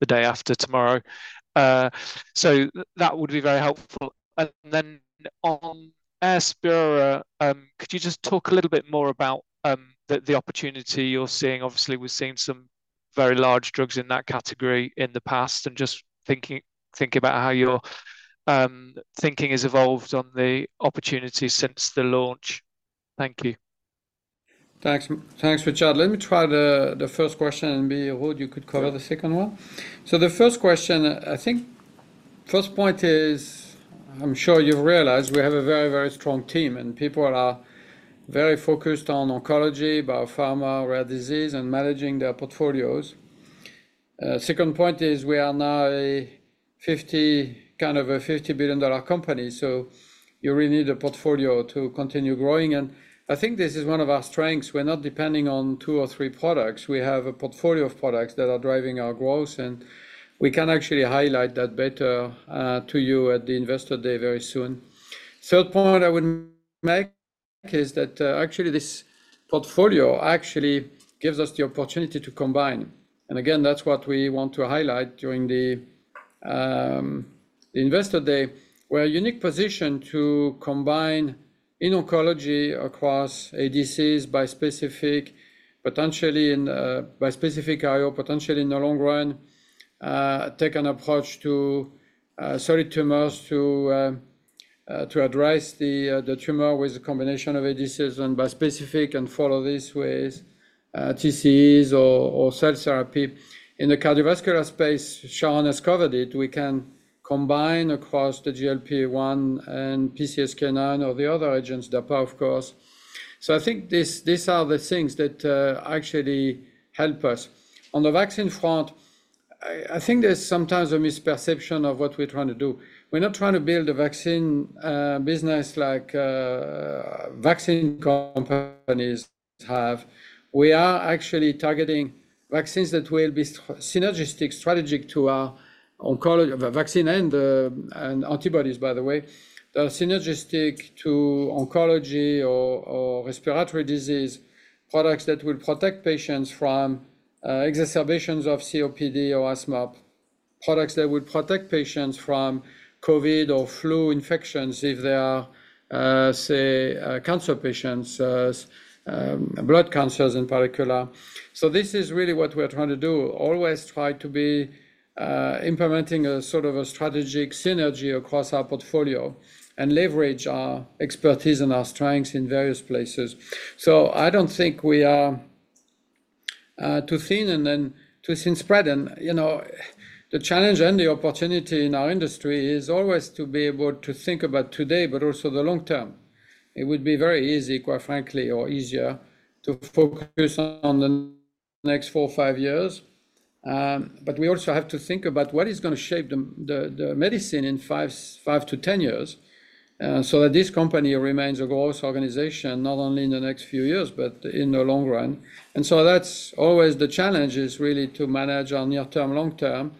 the day after tomorrow. So that would be very helpful. And then on AIRSUPRA, could you just talk a little bit more about the opportunity you're seeing? Obviously, we've seen some very large drugs in that category in the past, and just thinking about how your thinking has evolved on the opportunity since the launch. Thank you. Thanks, Marc, thanks, Richard. Let me try the first question, and maybe, Ruud, you could cover the second one? So the first question, I think first point is, I'm sure you've realized we have a very, very strong team, and people are very focused on oncology, biopharma, rare disease, and managing their portfolios. Second point is we are now a $50 billion company, so you really need a portfolio to continue growing, and I think this is one of our strengths. We're not depending on two or three products. We have a portfolio of products that are driving our growth, and we can actually highlight that better to you at the Investor Day very soon. Third point I would make is that actually, this portfolio actually gives us the opportunity to combine. And again, that's what we want to highlight during the, the Investor Day. We're a unique position to combine in oncology across ADCs, bispecific, potentially in, bispecific IO, potentially in the long run, take an approach to, solid tumors to, to address the, the tumor with a combination of ADCs and bispecific and follow these with, TCEs or, or cell therapy. In the cardiovascular space, Sean has covered it, we can combine across the GLP-1 and PCSK9 or the other agents, DAPA, of course. So I think these, these are the things that, actually help us. On the vaccine front, I, I think there's sometimes a misperception of what we're trying to do. We're not trying to build a vaccine, business like, vaccine companies have. We are actually targeting vaccines that will be synergistic, strategic to our oncology... Vaccine and antibodies, by the way, that are synergistic to oncology or respiratory disease, products that will protect patients from exacerbations of COPD or asthma, products that would protect patients from COVID or flu infections if they are, say, cancer patients, blood cancers in particular. So this is really what we're trying to do, always try to be implementing a sort of a strategic synergy across our portfolio and leverage our expertise and our strengths in various places. So I don't think we are too thinly spread. You know, the challenge and the opportunity in our industry is always to be able to think about today, but also the long term. It would be very easy, quite frankly, or easier, to focus on the next four or five years. But we also have to think about what is going to shape the medicine in dive to 10 years, so that this company remains a growth organization, not only in the next few years, but in the long run. And so that's always the challenge, is really to manage our near term, long term.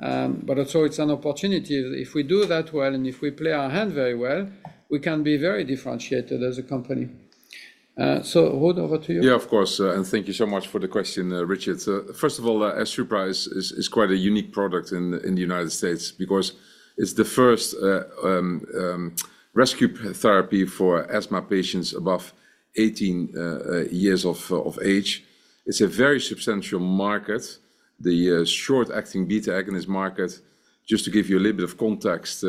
But also it's an opportunity. If we do that well and if we play our hand very well, we can be very differentiated as a company. So, Ruud, over to you. Yeah, of course. And thank you so much for the question, Richard. So first of all, AIRSUPRA is quite a unique product in the United States because it's the first rescue therapy for asthma patients above 18 years of age. It's a very substantial market, the short-acting beta agonist market. Just to give you a little bit of context,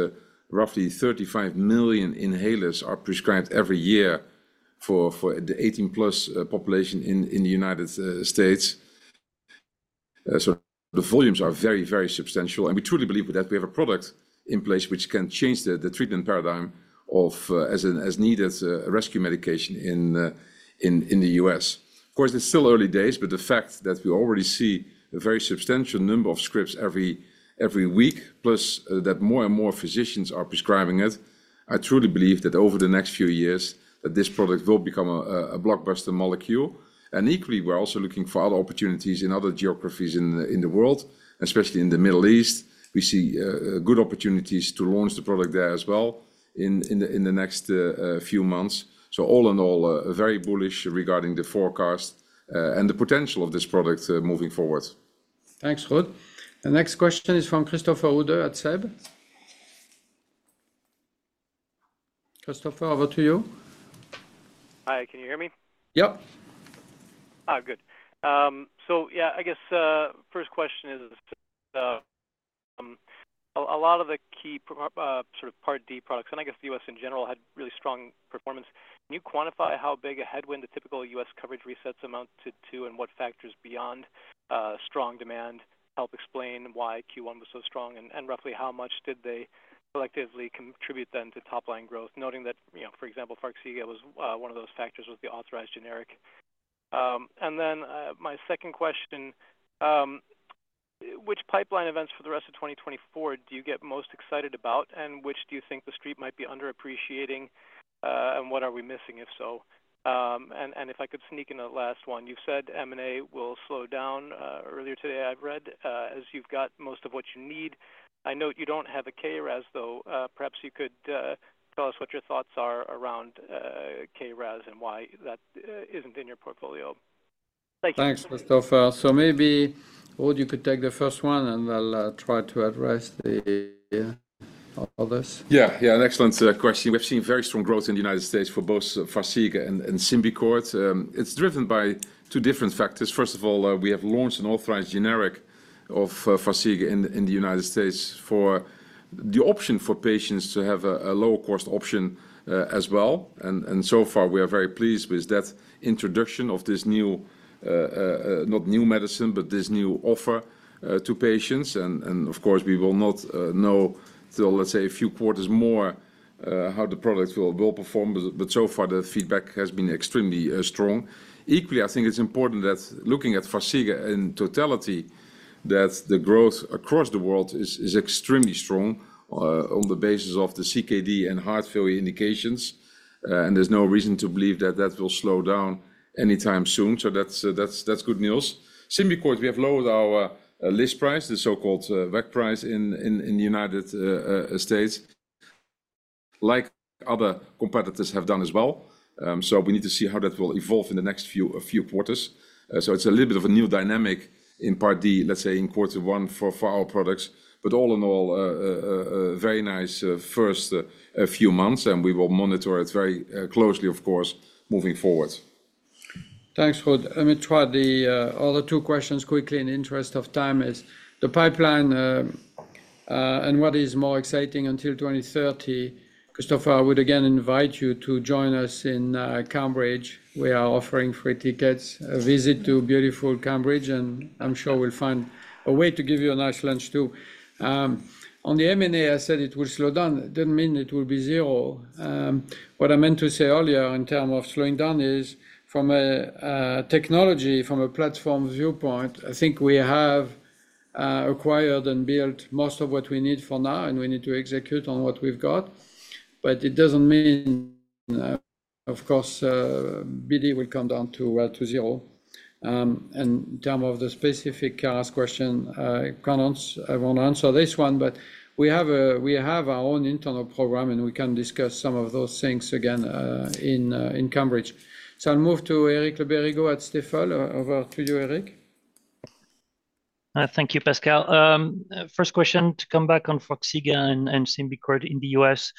roughly 35 million inhalers are prescribed every year for the 18+ population in the United States. So the volumes are very, very substantial, and we truly believe that we have a product in place which can change the treatment paradigm as an as-needed rescue medication in the U.S. Of course, it's still early days, but the fact that we already see a very substantial number of scripts every week, plus that more and more physicians are prescribing it, I truly believe that over the next few years, that this product will become a blockbuster molecule. And equally, we're also looking for other opportunities in other geographies in the world, especially in the Middle East. We see good opportunities to launch the product there as well in the next few months. So all in all, very bullish regarding the forecast and the potential of this product moving forward. Thanks, Ruud. The next question is from Christopher Uhde at SEB. Christopher, over to you. Hi, can you hear me? Yep. Ah, good. So yeah, I guess first question is a lot of the key sort of Part D products, and I guess the U.S. in general, had really strong performance. Can you quantify how big a headwind the typical US coverage resets amount to two, and what factors beyond strong demand help explain why Q1 was so strong? And roughly how much did they collectively contribute then to top-line growth? Noting that, you know, for example, Farxiga was. One of those factors was the authorized generic. And then my second question, which pipeline events for the rest of 2024 do you get most excited about, and which do you think the street might be underappreciating? And what are we missing, if so? If I could sneak in a last one: You've said M&A will slow down earlier today, I've read, as you've got most of what you need. I note you don't have a KRAS, though. Perhaps you could tell us what your thoughts are around KRAS and why that isn't in your portfolio. Thank you. Thanks, Christopher. So maybe, Ruud, you could take the first one, and I'll try to address the others. Yeah. Yeah, an excellent question. We've seen very strong growth in the United States for both Farxiga and Symbicort. It's driven by two different factors. First of all, we have launched an authorized generic of Farxiga in the United States for the option for patients to have a lower-cost option as well. And so far, we are very pleased with that introduction of this new not new medicine, but this new offer to patients. And of course, we will not know till, let's say, a few quarters more how the product will perform. But so far, the feedback has been extremely strong. Equally, I think it's important that looking at Farxiga in totality, that the growth across the world is extremely strong on the basis of the CKD and heart failure indications. And there's no reason to believe that that will slow down anytime soon. So that's good news. Symbicort, we have lowered our list price, the so-called WAC price, in the United States, like other competitors have done as well. So we need to see how that will evolve in the next few quarters. So it's a little bit of a new dynamic in Part D, let's say in quarter one for our products. But all in all, a very nice first few months, and we will monitor it very closely, of course, moving forward. Thanks, Ruud. Let me try the other two questions quickly in the interest of time is: the pipeline, and what is more exciting until 2030. Christopher, I would again invite you to join us in Cambridge. We are offering free tickets, a visit to beautiful Cambridge, and I'm sure we'll find a way to give you a nice lunch, too. On the M&A, I said it will slow down. It doesn't mean it will be zero. What I meant to say earlier in term of slowing down is, from a technology, from a platform viewpoint, I think we have acquired and built most of what we need for now, and we need to execute on what we've got. But it doesn't mean, of course, BD will come down to, well, to zero. And in terms of the specific KRAS question, I cannot. I won't answer this one, but we have, we have our own internal program, and we can discuss some of those things again, in, in Cambridge. So I'll move to Eric Le Berrigaud at Stifel. Over to you, Eric. Thank you, Pascal. First question, to come back on Farxiga and Symbicort in the U.S..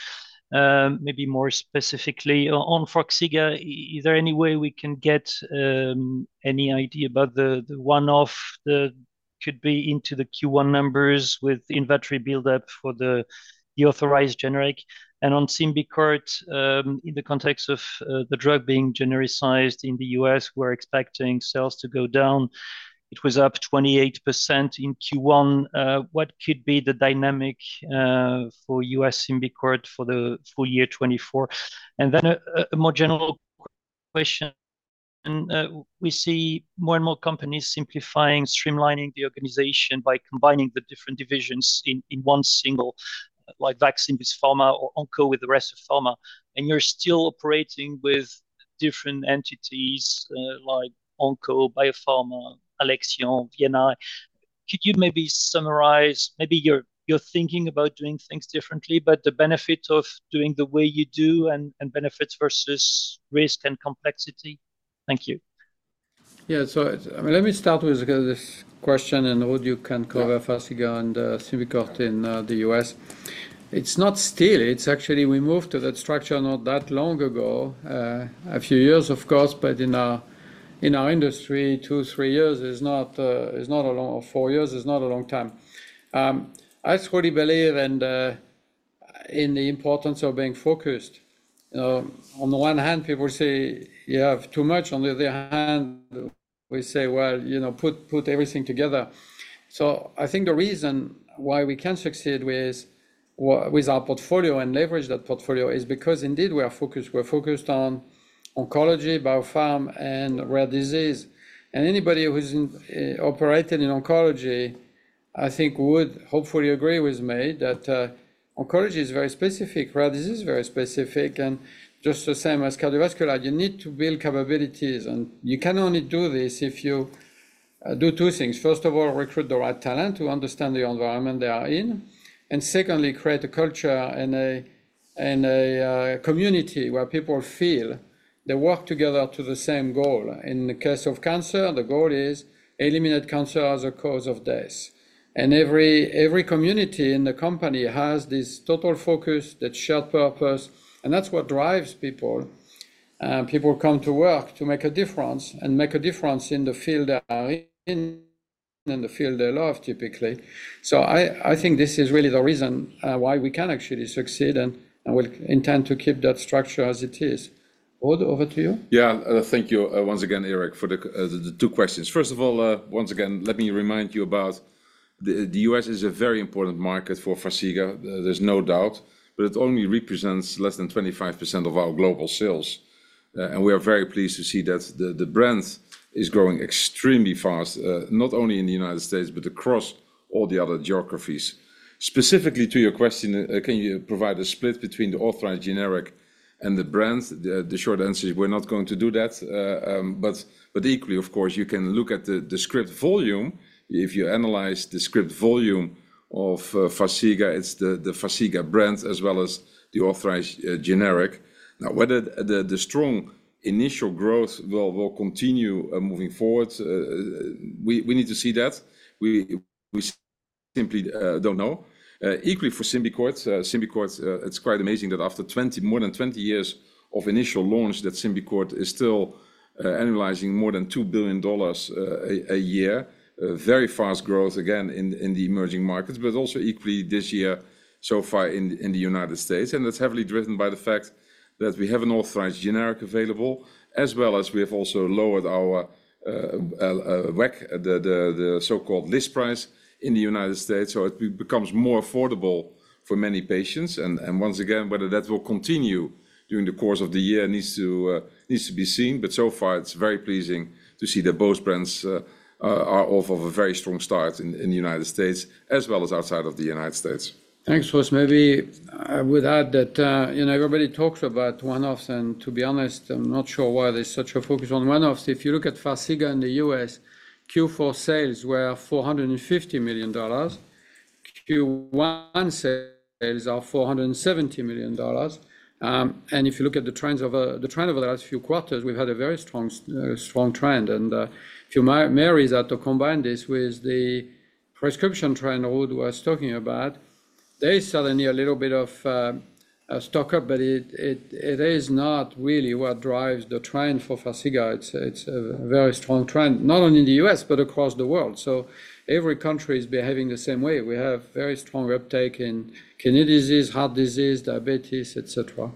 Maybe more specifically on Farxiga, is there any way we can get any idea about the one-off that could be into the Q1 numbers with inventory build-up for the authorized generic? And on Symbicort, in the context of the drug being genericized in the U.S., we're expecting sales to go down. It was up 28% in Q1. What could be the dynamic for US Symbicort for the full year 2024? And then a more general question. We see more and more companies simplifying, streamlining the organization by combining the different divisions in one single, like vaccine with pharma or onco with the rest of pharma, and you're still operating with different entities, like Onco, Biopharma, Alexion, D&I. Could you maybe summarize, maybe you're thinking about doing things differently, but the benefit of doing the way you do and benefits versus risk and complexity? Thank you. Yeah. So, I mean, let me start with this question, and Ruud, you can cover Farxiga- Yeah And Symbicort in the U.S. It's not still, it's actually we moved to that structure not that long ago, a few years, of course, but in our industry, two, three years is not a long. Four years is not a long time. I strongly believe and in the importance of being focused. On the one hand, people say you have too much, on the other hand, we say, "Well, you know, put everything together." So I think the reason why we can succeed with our portfolio and leverage that portfolio is because indeed, we are focused. We're focused on oncology, biopharm, and rare disease. And anybody who's operated in oncology, I think, would hopefully agree with me that oncology is very specific, rare disease is very specific, and just the same as cardiovascular. You need to build capabilities, and you can only do this if you do two things: first of all, recruit the right talent who understand the environment they are in, and secondly, create a culture and a community where people feel they work together to the same goal. In the case of cancer, the goal is eliminate cancer as a cause of death. Every community in the company has this total focus, that shared purpose, and that's what drives people. People come to work to make a difference, and make a difference in the field they are in, and the field they love, typically. I think this is really the reason why we can actually succeed, and we'll intend to keep that structure as it is. Ruud, over to you. Yeah. Thank you, once again, Eric, for the two questions. First of all, once again, let me remind you about the U.S. is a very important market for Farxiga. There's no doubt, but it only represents less than 25% of our global sales. And we are very pleased to see that the brand is growing extremely fast, not only in the United States, but across all the other geographies. Specifically to your question, can you provide a split between the authorized generic and the brands? The short answer is we're not going to do that. But equally, of course, you can look at the script volume. If you analyze the script volume of Farxiga, it's the Farxiga brands as well as the authorized generic. Now, whether the strong initial growth will continue moving forward, we need to see that. We simply don't know. Equally for Symbicort, it's quite amazing that after 20, more than 20 years of initial launch, that Symbicort is still generating more than $2 billion a year. Very fast growth, again, in the emerging markets, but also equally this year, so far in the United States. And that's heavily driven by the fact that we have an authorized generic available, as well as we have also lowered our WAC, the so-called list price in the United States. So it becomes more affordable for many patients, and once again, whether that will continue during the course of the year needs to be seen. But so far, it's very pleasing to see that both brands are off of a very strong start in the United States as well as outside of the United States. Thanks, Ruud. Maybe I would add that, you know, everybody talks about one-offs, and to be honest, I'm not sure why there's such a focus on one-offs. If you look at Farxiga in the U.S., Q4 sales were $450 million. Q1 sales are $470 million. And if you look at the trend over the last few quarters, we've had a very strong trend. And to marry that, to combine this with the prescription trend Ruud was talking about, there is suddenly a little bit of stock up, but it is not really what drives the trend for Farxiga. It's a very strong trend, not only in the U.S., but across the world. So every country is behaving the same way. We have very strong uptake in kidney disease, heart disease, diabetes, et cetera.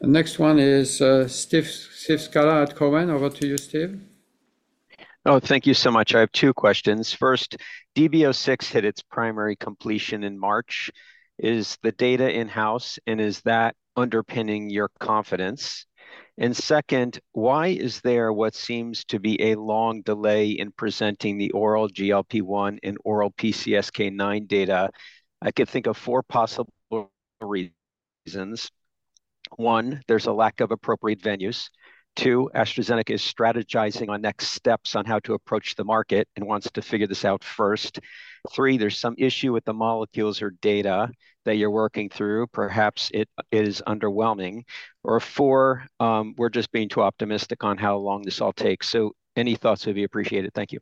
The next one is, Steve, Steve Scala at Cowen. Over to you, Steve. Oh, thank you so much. I have two questions. First, DB-06 hit its primary completion in March. Is the data in-house, and is that underpinning your confidence? And second, why is there what seems to be a long delay in presenting the oral GLP-1 and oral PCSK9 data? I can think of four possible reasons. One, there's a lack of appropriate venues. Two, AstraZeneca is strategizing on next steps on how to approach the market and wants to figure this out first. Three, there's some issue with the molecules or data that you're working through. Perhaps it is underwhelming. Or four, we're just being too optimistic on how long this all takes. So any thoughts would be appreciated. Thank you.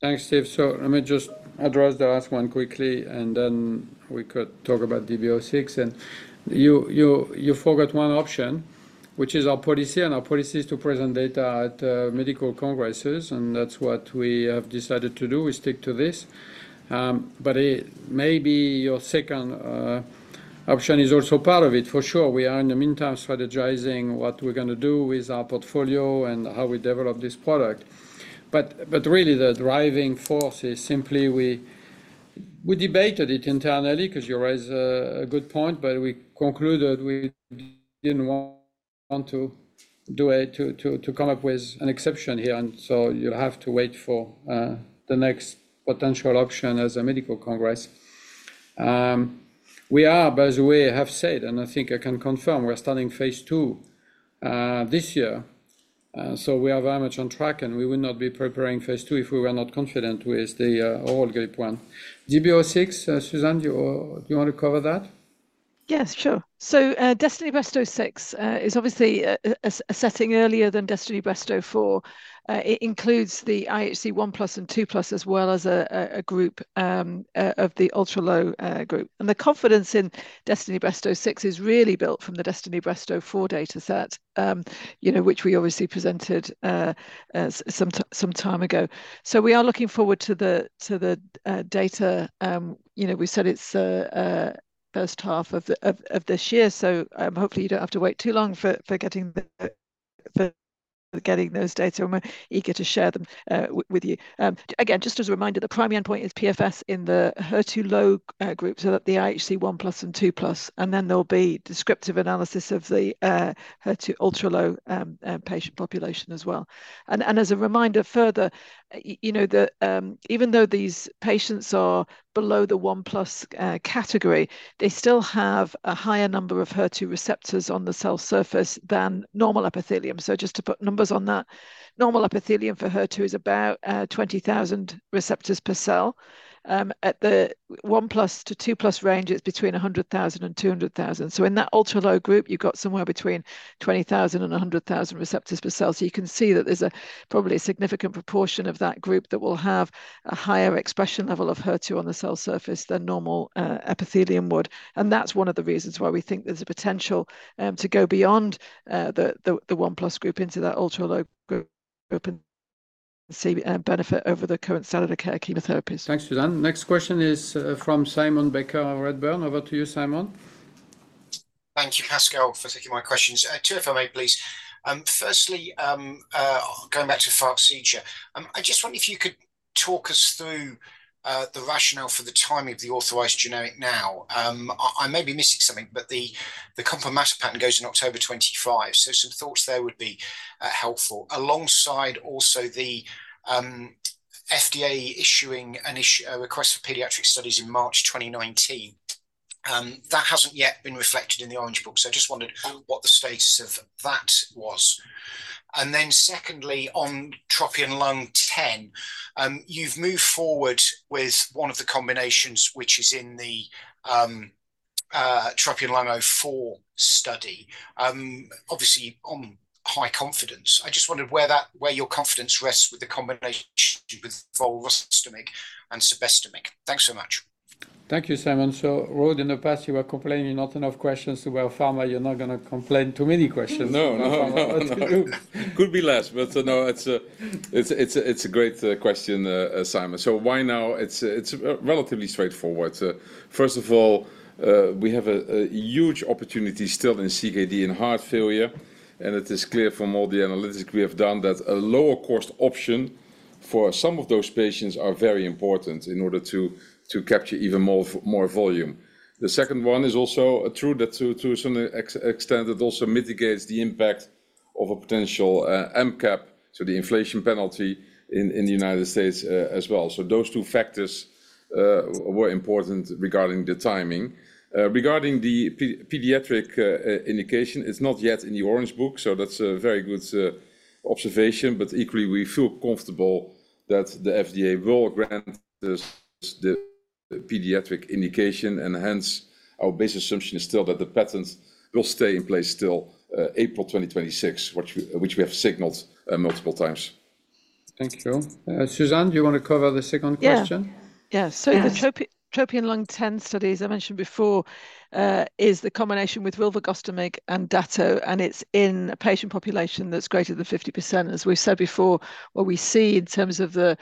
Thanks, Steve. So let me just address the last one quickly, and then we could talk about DB-06. And you forgot one option, which is our policy, and our policy is to present data at medical congresses, and that's what we have decided to do. We stick to this. But maybe your second option is also part of it, for sure. We are, in the meantime, strategizing what we're going to do with our portfolio and how we develop this product. But really, the driving force is simply we debated it internally, 'cause you raise a good point, but we concluded we didn't want to come up with an exception here, and so you have to wait for the next potential option as a medical congress. We are, by the way, I have said, and I think I can confirm, we're starting phase II this year. So we are very much on track, and we would not be preparing phase II if we were not confident with the overall group 1. DB-06, Susan, do you, do you want to cover that? Yes, sure. So, Destiny Breast 06 is obviously a setting earlier than Destiny Breast 04. It includes the IHC 1+ and 2+, as well as a group of the ultra-low group. And the confidence in Destiny Breast 06 is really built from the Destiny Breast 04 dataset, you know, which we obviously presented some time ago. So we are looking forward to the data. You know, we said it's first half of this year, so hopefully, you don't have to wait too long for getting those data, and we're eager to share them with you. Again, just as a reminder, the primary endpoint is PFS in the HER2-low group, so that the IHC 1+ and 2+, and then there'll be descriptive analysis of the HER2 ultra-low patient population as well. And as a reminder further, you know, the even though these patients are below the 1+ category, they still have a higher number of HER2 receptors on the cell surface than normal epithelium. So just to put numbers on that, normal epithelium for HER2 is about 20,000 receptors per cell. At the 1+ to 2+ range, it's between 100,000 and 200,000. So in that ultra-low group, you've got somewhere between 20,000 and 100,000 receptors per cell. So you can see that there's probably a significant proportion of that group that will have a higher expression level of HER2 on the cell surface than normal epithelium would. That's one of the reasons why we think there's a potential to go beyond the one plus group into that ultra-low group and see benefit over the current standard of care chemotherapies. Thanks, Susan. Next question is from Simon Baker, Redburn. Over to you, Simon. Thank you, Pascal, for taking my questions. Two, if I may, please. Firstly, going back to Farxiga, I just wonder if you could talk us through the rationale for the timing of the authorized generic now. I may be missing something, but the formulation patent goes in October 2025, so some thoughts there would be helpful. Alongside also the FDA issuing a request for pediatric studies in March 2019, that hasn't yet been reflected in the Orange Book, so I just wondered what the status of that was. And then secondly, on TROPION-Lung10, you've moved forward with one of the combinations, which is in the TROPION-Lung04 study. Obviously, on high confidence. I just wondered where your confidence rests with the combination with volrustomig and sabestamig. Thanks so much. Thank you, Simon. So, Ruud, in the past, you were complaining not enough questions about pharma. You're not going to complain too many questions- No, no, no, no. Could be less, but no, it's a, it's a, it's a great question, Simon. So why now? It's relatively straightforward. First of all, we have a huge opportunity still in CKD and heart failure, and it is clear from all the analytics we have done that a lower-cost option for some of those patients are very important in order to capture even more f- more volume. The second one is also true that to some extent, it also mitigates the impact of a potential AMP cap, so the inflation penalty in the United States, as well. So those two factors were important regarding the timing. Regarding the pediatric indication, it's not yet in the Orange Book, so that's a very good observation, but equally, we feel comfortable that the FDA will grant us the pediatric indication, and hence, our base assumption is still that the patents will stay in place till April 2026, which we have signaled multiple times. Thank you. Susan, do you want to cover the second question? Yeah. Yeah. Yes. So the TROPION-Lung10 study, as I mentioned before, is the combination with rilvegostomig and dato, and it's in a patient population that's greater than 50%. As we've said before, what we see in terms of the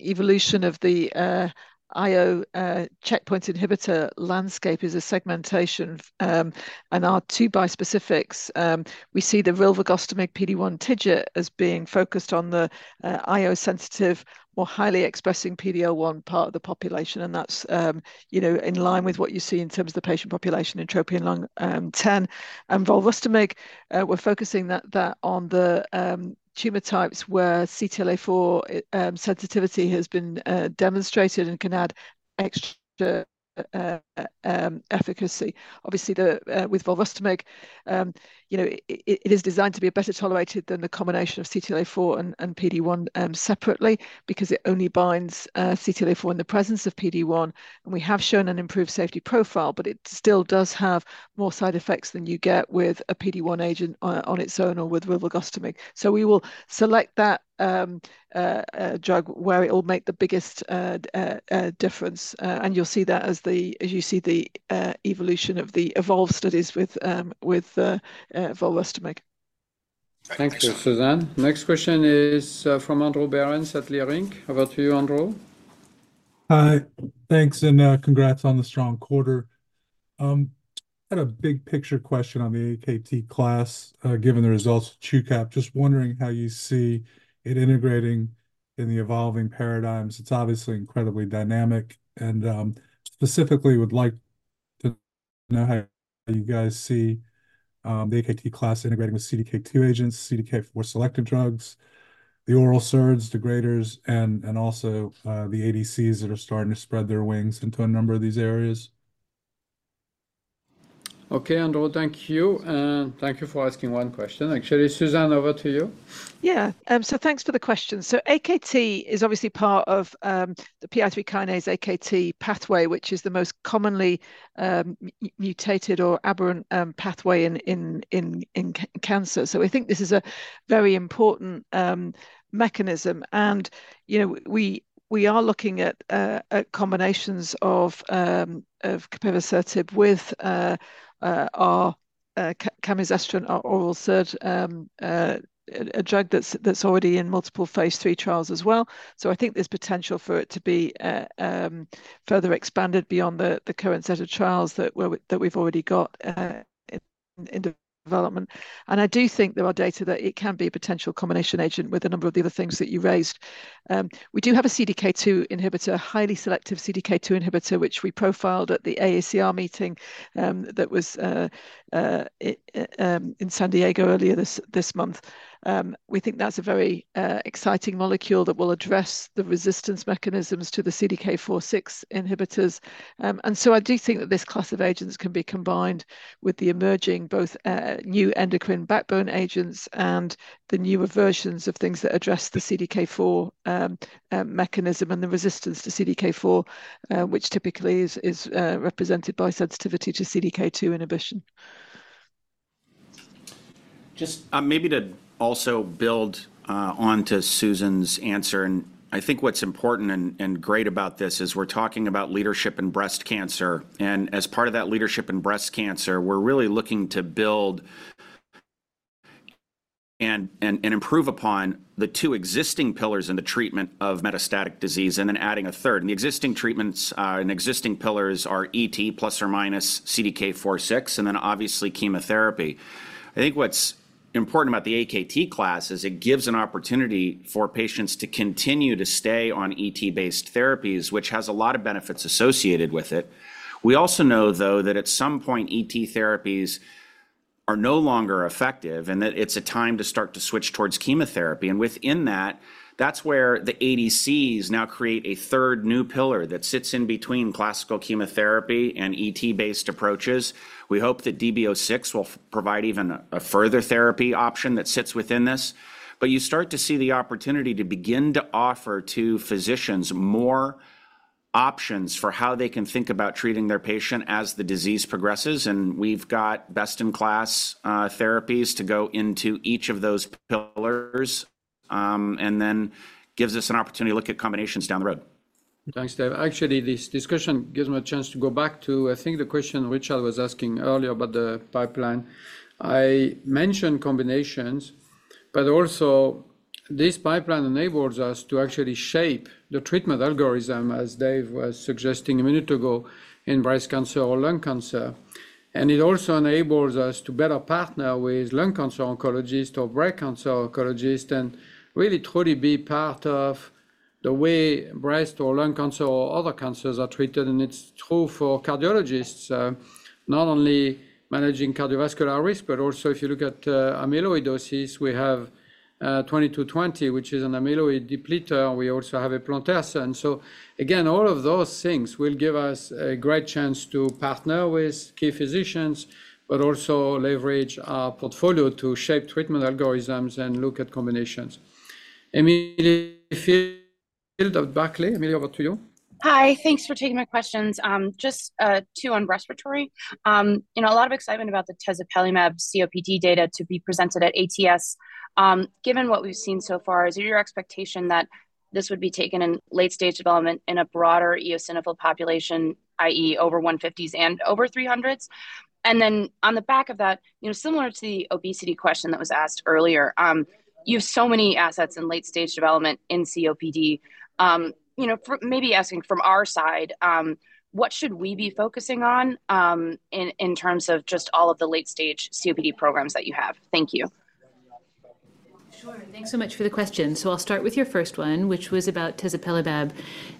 evolution of the IO checkpoint inhibitor landscape is a segmentation. And our two bispecifics, we see the rilvegostomig PD-1 TIGIT as being focused on the IO-sensitive, more highly expressing PD-L1 part of the population, and that's, you know, in line with what you see in terms of the patient population in TROPION-Lung10. And volrustomig, we're focusing that on the tumor types where CTLA-4 sensitivity has been demonstrated and can add extra efficacy. Obviously, with volrustomig, you know, it is designed to be better tolerated than the combination of CTLA-4 and PD-1 separately, because it only binds CTLA-4 in the presence of PD-1, and we have shown an improved safety profile, but it still does have more side effects than you get with a PD-1 agent on its own or with rilvegostomig. So we will select that drug where it will make the biggest difference, and you'll see that as you see the evolution of the evolved studies with volrustomig. Thank you, Susan. Next question is from Andrew Berens at Leerink. Over to you, Andrew. Hi. Thanks, and congrats on the strong quarter. I had a big picture question on the AKT class, given the results of Truqap. Just wondering how you see it integrating in the evolving paradigms. It's obviously incredibly dynamic and, specifically would like to know how you guys see the AKT class integrating with CDK2 agents, CDK4-selective drugs, the oral SERDs, degraders, and also the ADCs that are starting to spread their wings into a number of these areas. Okay, Andrew, thank you, and thank you for asking one question. Actually, Susan, over to you. Yeah, so thanks for the question. So AKT is obviously part of the PI3 kinase AKT pathway, which is the most commonly mutated or aberrant pathway in cancer. So I think this is a very important mechanism, and, you know, we are looking at combinations of capivasertib with our camizestrant, our oral SERD, a drug that's already in multiple phase three trials as well. So I think there's potential for it to be further expanded beyond the current set of trials that we've already got in development. And I do think there are data that it can be a potential combination agent with a number of the other things that you raised. We do have a CDK2 inhibitor, a highly selective CDK2 inhibitor, which we profiled at the AACR meeting that was in San Diego earlier this month. We think that's a very exciting molecule that will address the resistance mechanisms to the CDK4/6 inhibitors. And so I do think that this class of agents can be combined with the emerging, both new endocrine backbone agents and the newer versions of things that address the CDK4 mechanism and the resistance to CDK4, which typically is represented by sensitivity to CDK2 inhibition. Just, maybe to also build on to Susan's answer, and I think what's important and, and, and great about this is we're talking about leadership in breast cancer, and as part of that leadership in breast cancer, we're really looking to build and, and, and improve upon the two existing pillars in the treatment of metastatic disease, and then adding 1/3. The existing treatments and existing pillars are ET plus or minus CDK4/6, and then obviously, chemotherapy. I think what's important about the AKT class is it gives an opportunity for patients to continue to stay on ET-based therapies, which has a lot of benefits associated with it. We also know, though, that at some point, ET therapies are no longer effective, and that it's a time to start to switch towards chemotherapy. Within that, that's where the ADCs now create a third new pillar that sits in between classical chemotherapy and ET-based approaches. We hope that DB06 will provide even a further therapy option that sits within this. But you start to see the opportunity to begin to offer to physicians more options for how they can think about treating their patient as the disease progresses, and we've got best-in-class therapies to go into each of those pillars, and then gives us an opportunity to look at combinations down the road. Thanks, Dave. Actually, this discussion gives me a chance to go back to, I think, the question Richard was asking earlier about the pipeline. I mentioned combinations, but also this pipeline enables us to actually shape the treatment algorithm, as Dave was suggesting a minute ago, in breast cancer or lung cancer. And it also enables us to better partner with lung cancer oncologist or breast cancer oncologist, and really truly be part of the way breast or lung cancer or other cancers are treated. And it's true for cardiologists, not only managing cardiovascular risk, but also if you look at, amyloidosis, we have, 2220, which is an amyloid depleter. We also have a protease. And so again, all of those things will give us a great chance to partner with key physicians, but also leverage our portfolio to shape treatment algorithms and look at combinations. Emily Field of Barclays. Emily, over to you. Hi, thanks for taking my questions. Just, two on respiratory. You know, a lot of excitement about the tezepelumab COPD data to be presented at ATS. Given what we've seen so far, is it your expectation that this would be taken in late-stage development in a broader eosinophil population, i.e., over 150s and over 300s? And then on the back of that, you know, similar to the obesity question that was asked earlier, you have so many assets in late-stage development in COPD. You know, maybe asking from our side, what should we be focusing on, in terms of just all of the late-stage COPD programs that you have? Thank you. Sure. Thanks so much for the question. I'll start with your first one, which was about tezepelumab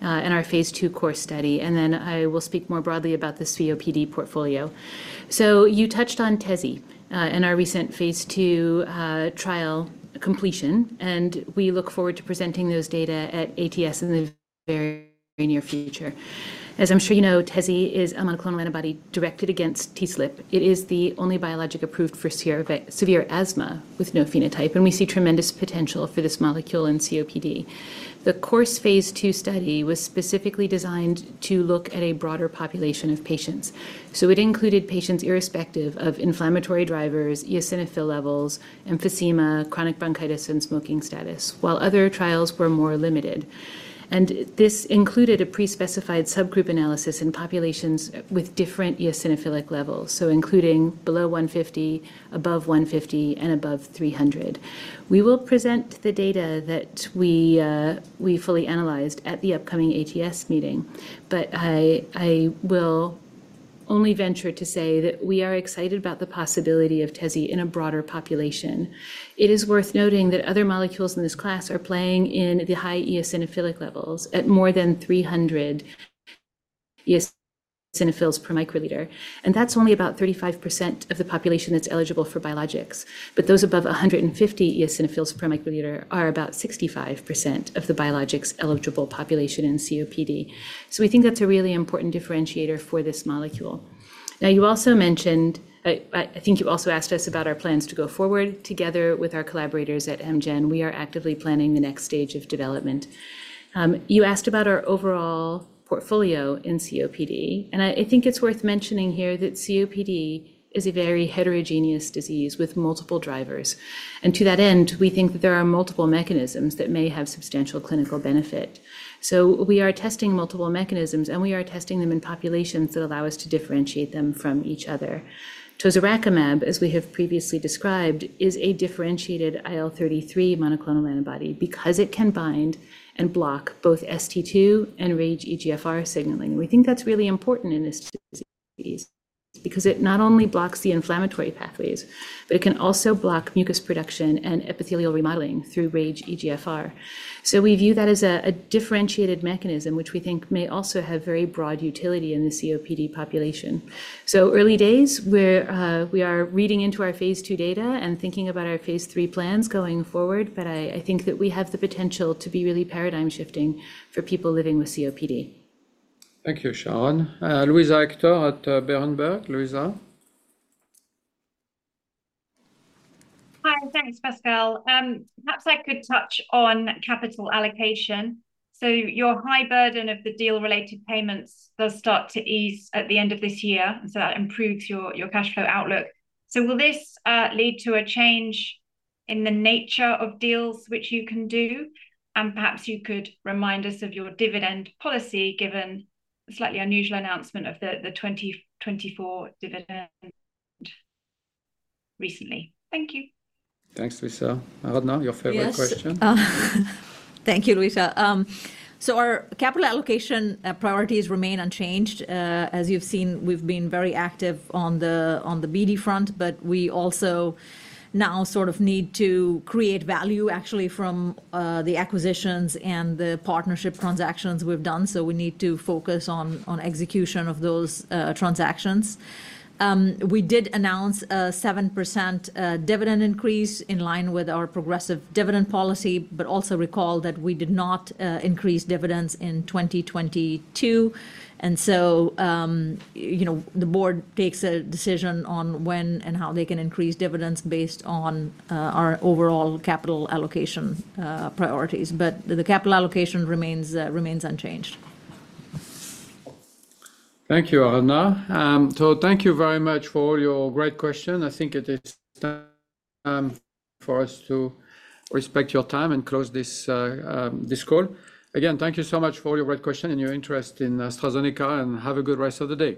and our phase II core study, and then I will speak more broadly about this COPD portfolio. You touched on tezi and our recent phase II trial completion, and we look forward to presenting those data at ATS in the very near future. As I'm sure you know, tezi is a monoclonal antibody directed against TSLP. It is the only biologic approved for severe asthma with no phenotype, and we see tremendous potential for this molecule in COPD. The core phase II study was specifically designed to look at a broader population of patients. So it included patients irrespective of inflammatory drivers, eosinophil levels, emphysema, chronic bronchitis, and smoking status, while other trials were more limited. This included a pre-specified subgroup analysis in populations with different eosinophilic levels, so including below 150, above 150, and above 300. We will present the data that we fully analyzed at the upcoming ATS meeting, but I will only venture to say that we are excited about the possibility of TEZSPIRE in a broader population. It is worth noting that other molecules in this class are playing in the high eosinophilic levels at more than 300 eosinophils per microliter, and that's only about 35% of the population that's eligible for biologics. But those above 150 eosinophils per microliter are about 65% of the biologics-eligible population in COPD. So we think that's a really important differentiator for this molecule. Now, you also mentioned, I think you also asked us about our plans to go forward. Together with our collaborators at Amgen, we are actively planning the next stage of development. You asked about our overall portfolio in COPD, and I think it's worth mentioning here that COPD is a very heterogeneous disease with multiple drivers. To that end, we think that there are multiple mechanisms that may have substantial clinical benefit. We are testing multiple mechanisms, and we are testing them in populations that allow us to differentiate them from each other. Tozorakimab, as we have previously described, is a differentiated IL-33 monoclonal antibody because it can bind and block both ST2 and RAGE EGFR signaling. We think that's really important in this disease, because it not only blocks the inflammatory pathways, but it can also block mucus production and epithelial remodeling through RAGE EGFR. So we view that as a differentiated mechanism, which we think may also have very broad utility in the COPD population. So early days, we are reading into our phase II data and thinking about our phase III plans going forward, but I think that we have the potential to be really paradigm-shifting for people living with COPD. Thank you, Sharon. Luisa Hector at Berenberg. Louisa? Hi, thanks, Pascal. Perhaps I could touch on capital allocation. So your high burden of the deal-related payments does start to ease at the end of this year, so that improves your, your cash flow outlook. So will this lead to a change in the nature of deals which you can do? And perhaps you could remind us of your dividend policy, given the slightly unusual announcement of the 2024 dividend recently. Thank you. Thanks, Luisa. Aradhana, your favorite question. Yes. Thank you, Louisa. So our capital allocation priorities remain unchanged. As you've seen, we've been very active on the BD front, but we also now sort of need to create value actually from the acquisitions and the partnership transactions we've done. So we need to focus on execution of those transactions. We did announce a 7% dividend increase in line with our progressive dividend policy, but also recall that we did not increase dividends in 2022. And so, you know, the board takes a decision on when and how they can increase dividends based on our overall capital allocation priorities. But the capital allocation remains unchanged. Thank you, Aradhana. So thank you very much for all your great question. I think it is time for us to respect your time and close this call. Again, thank you so much for your great question and your interest in AstraZeneca, and have a good rest of the day.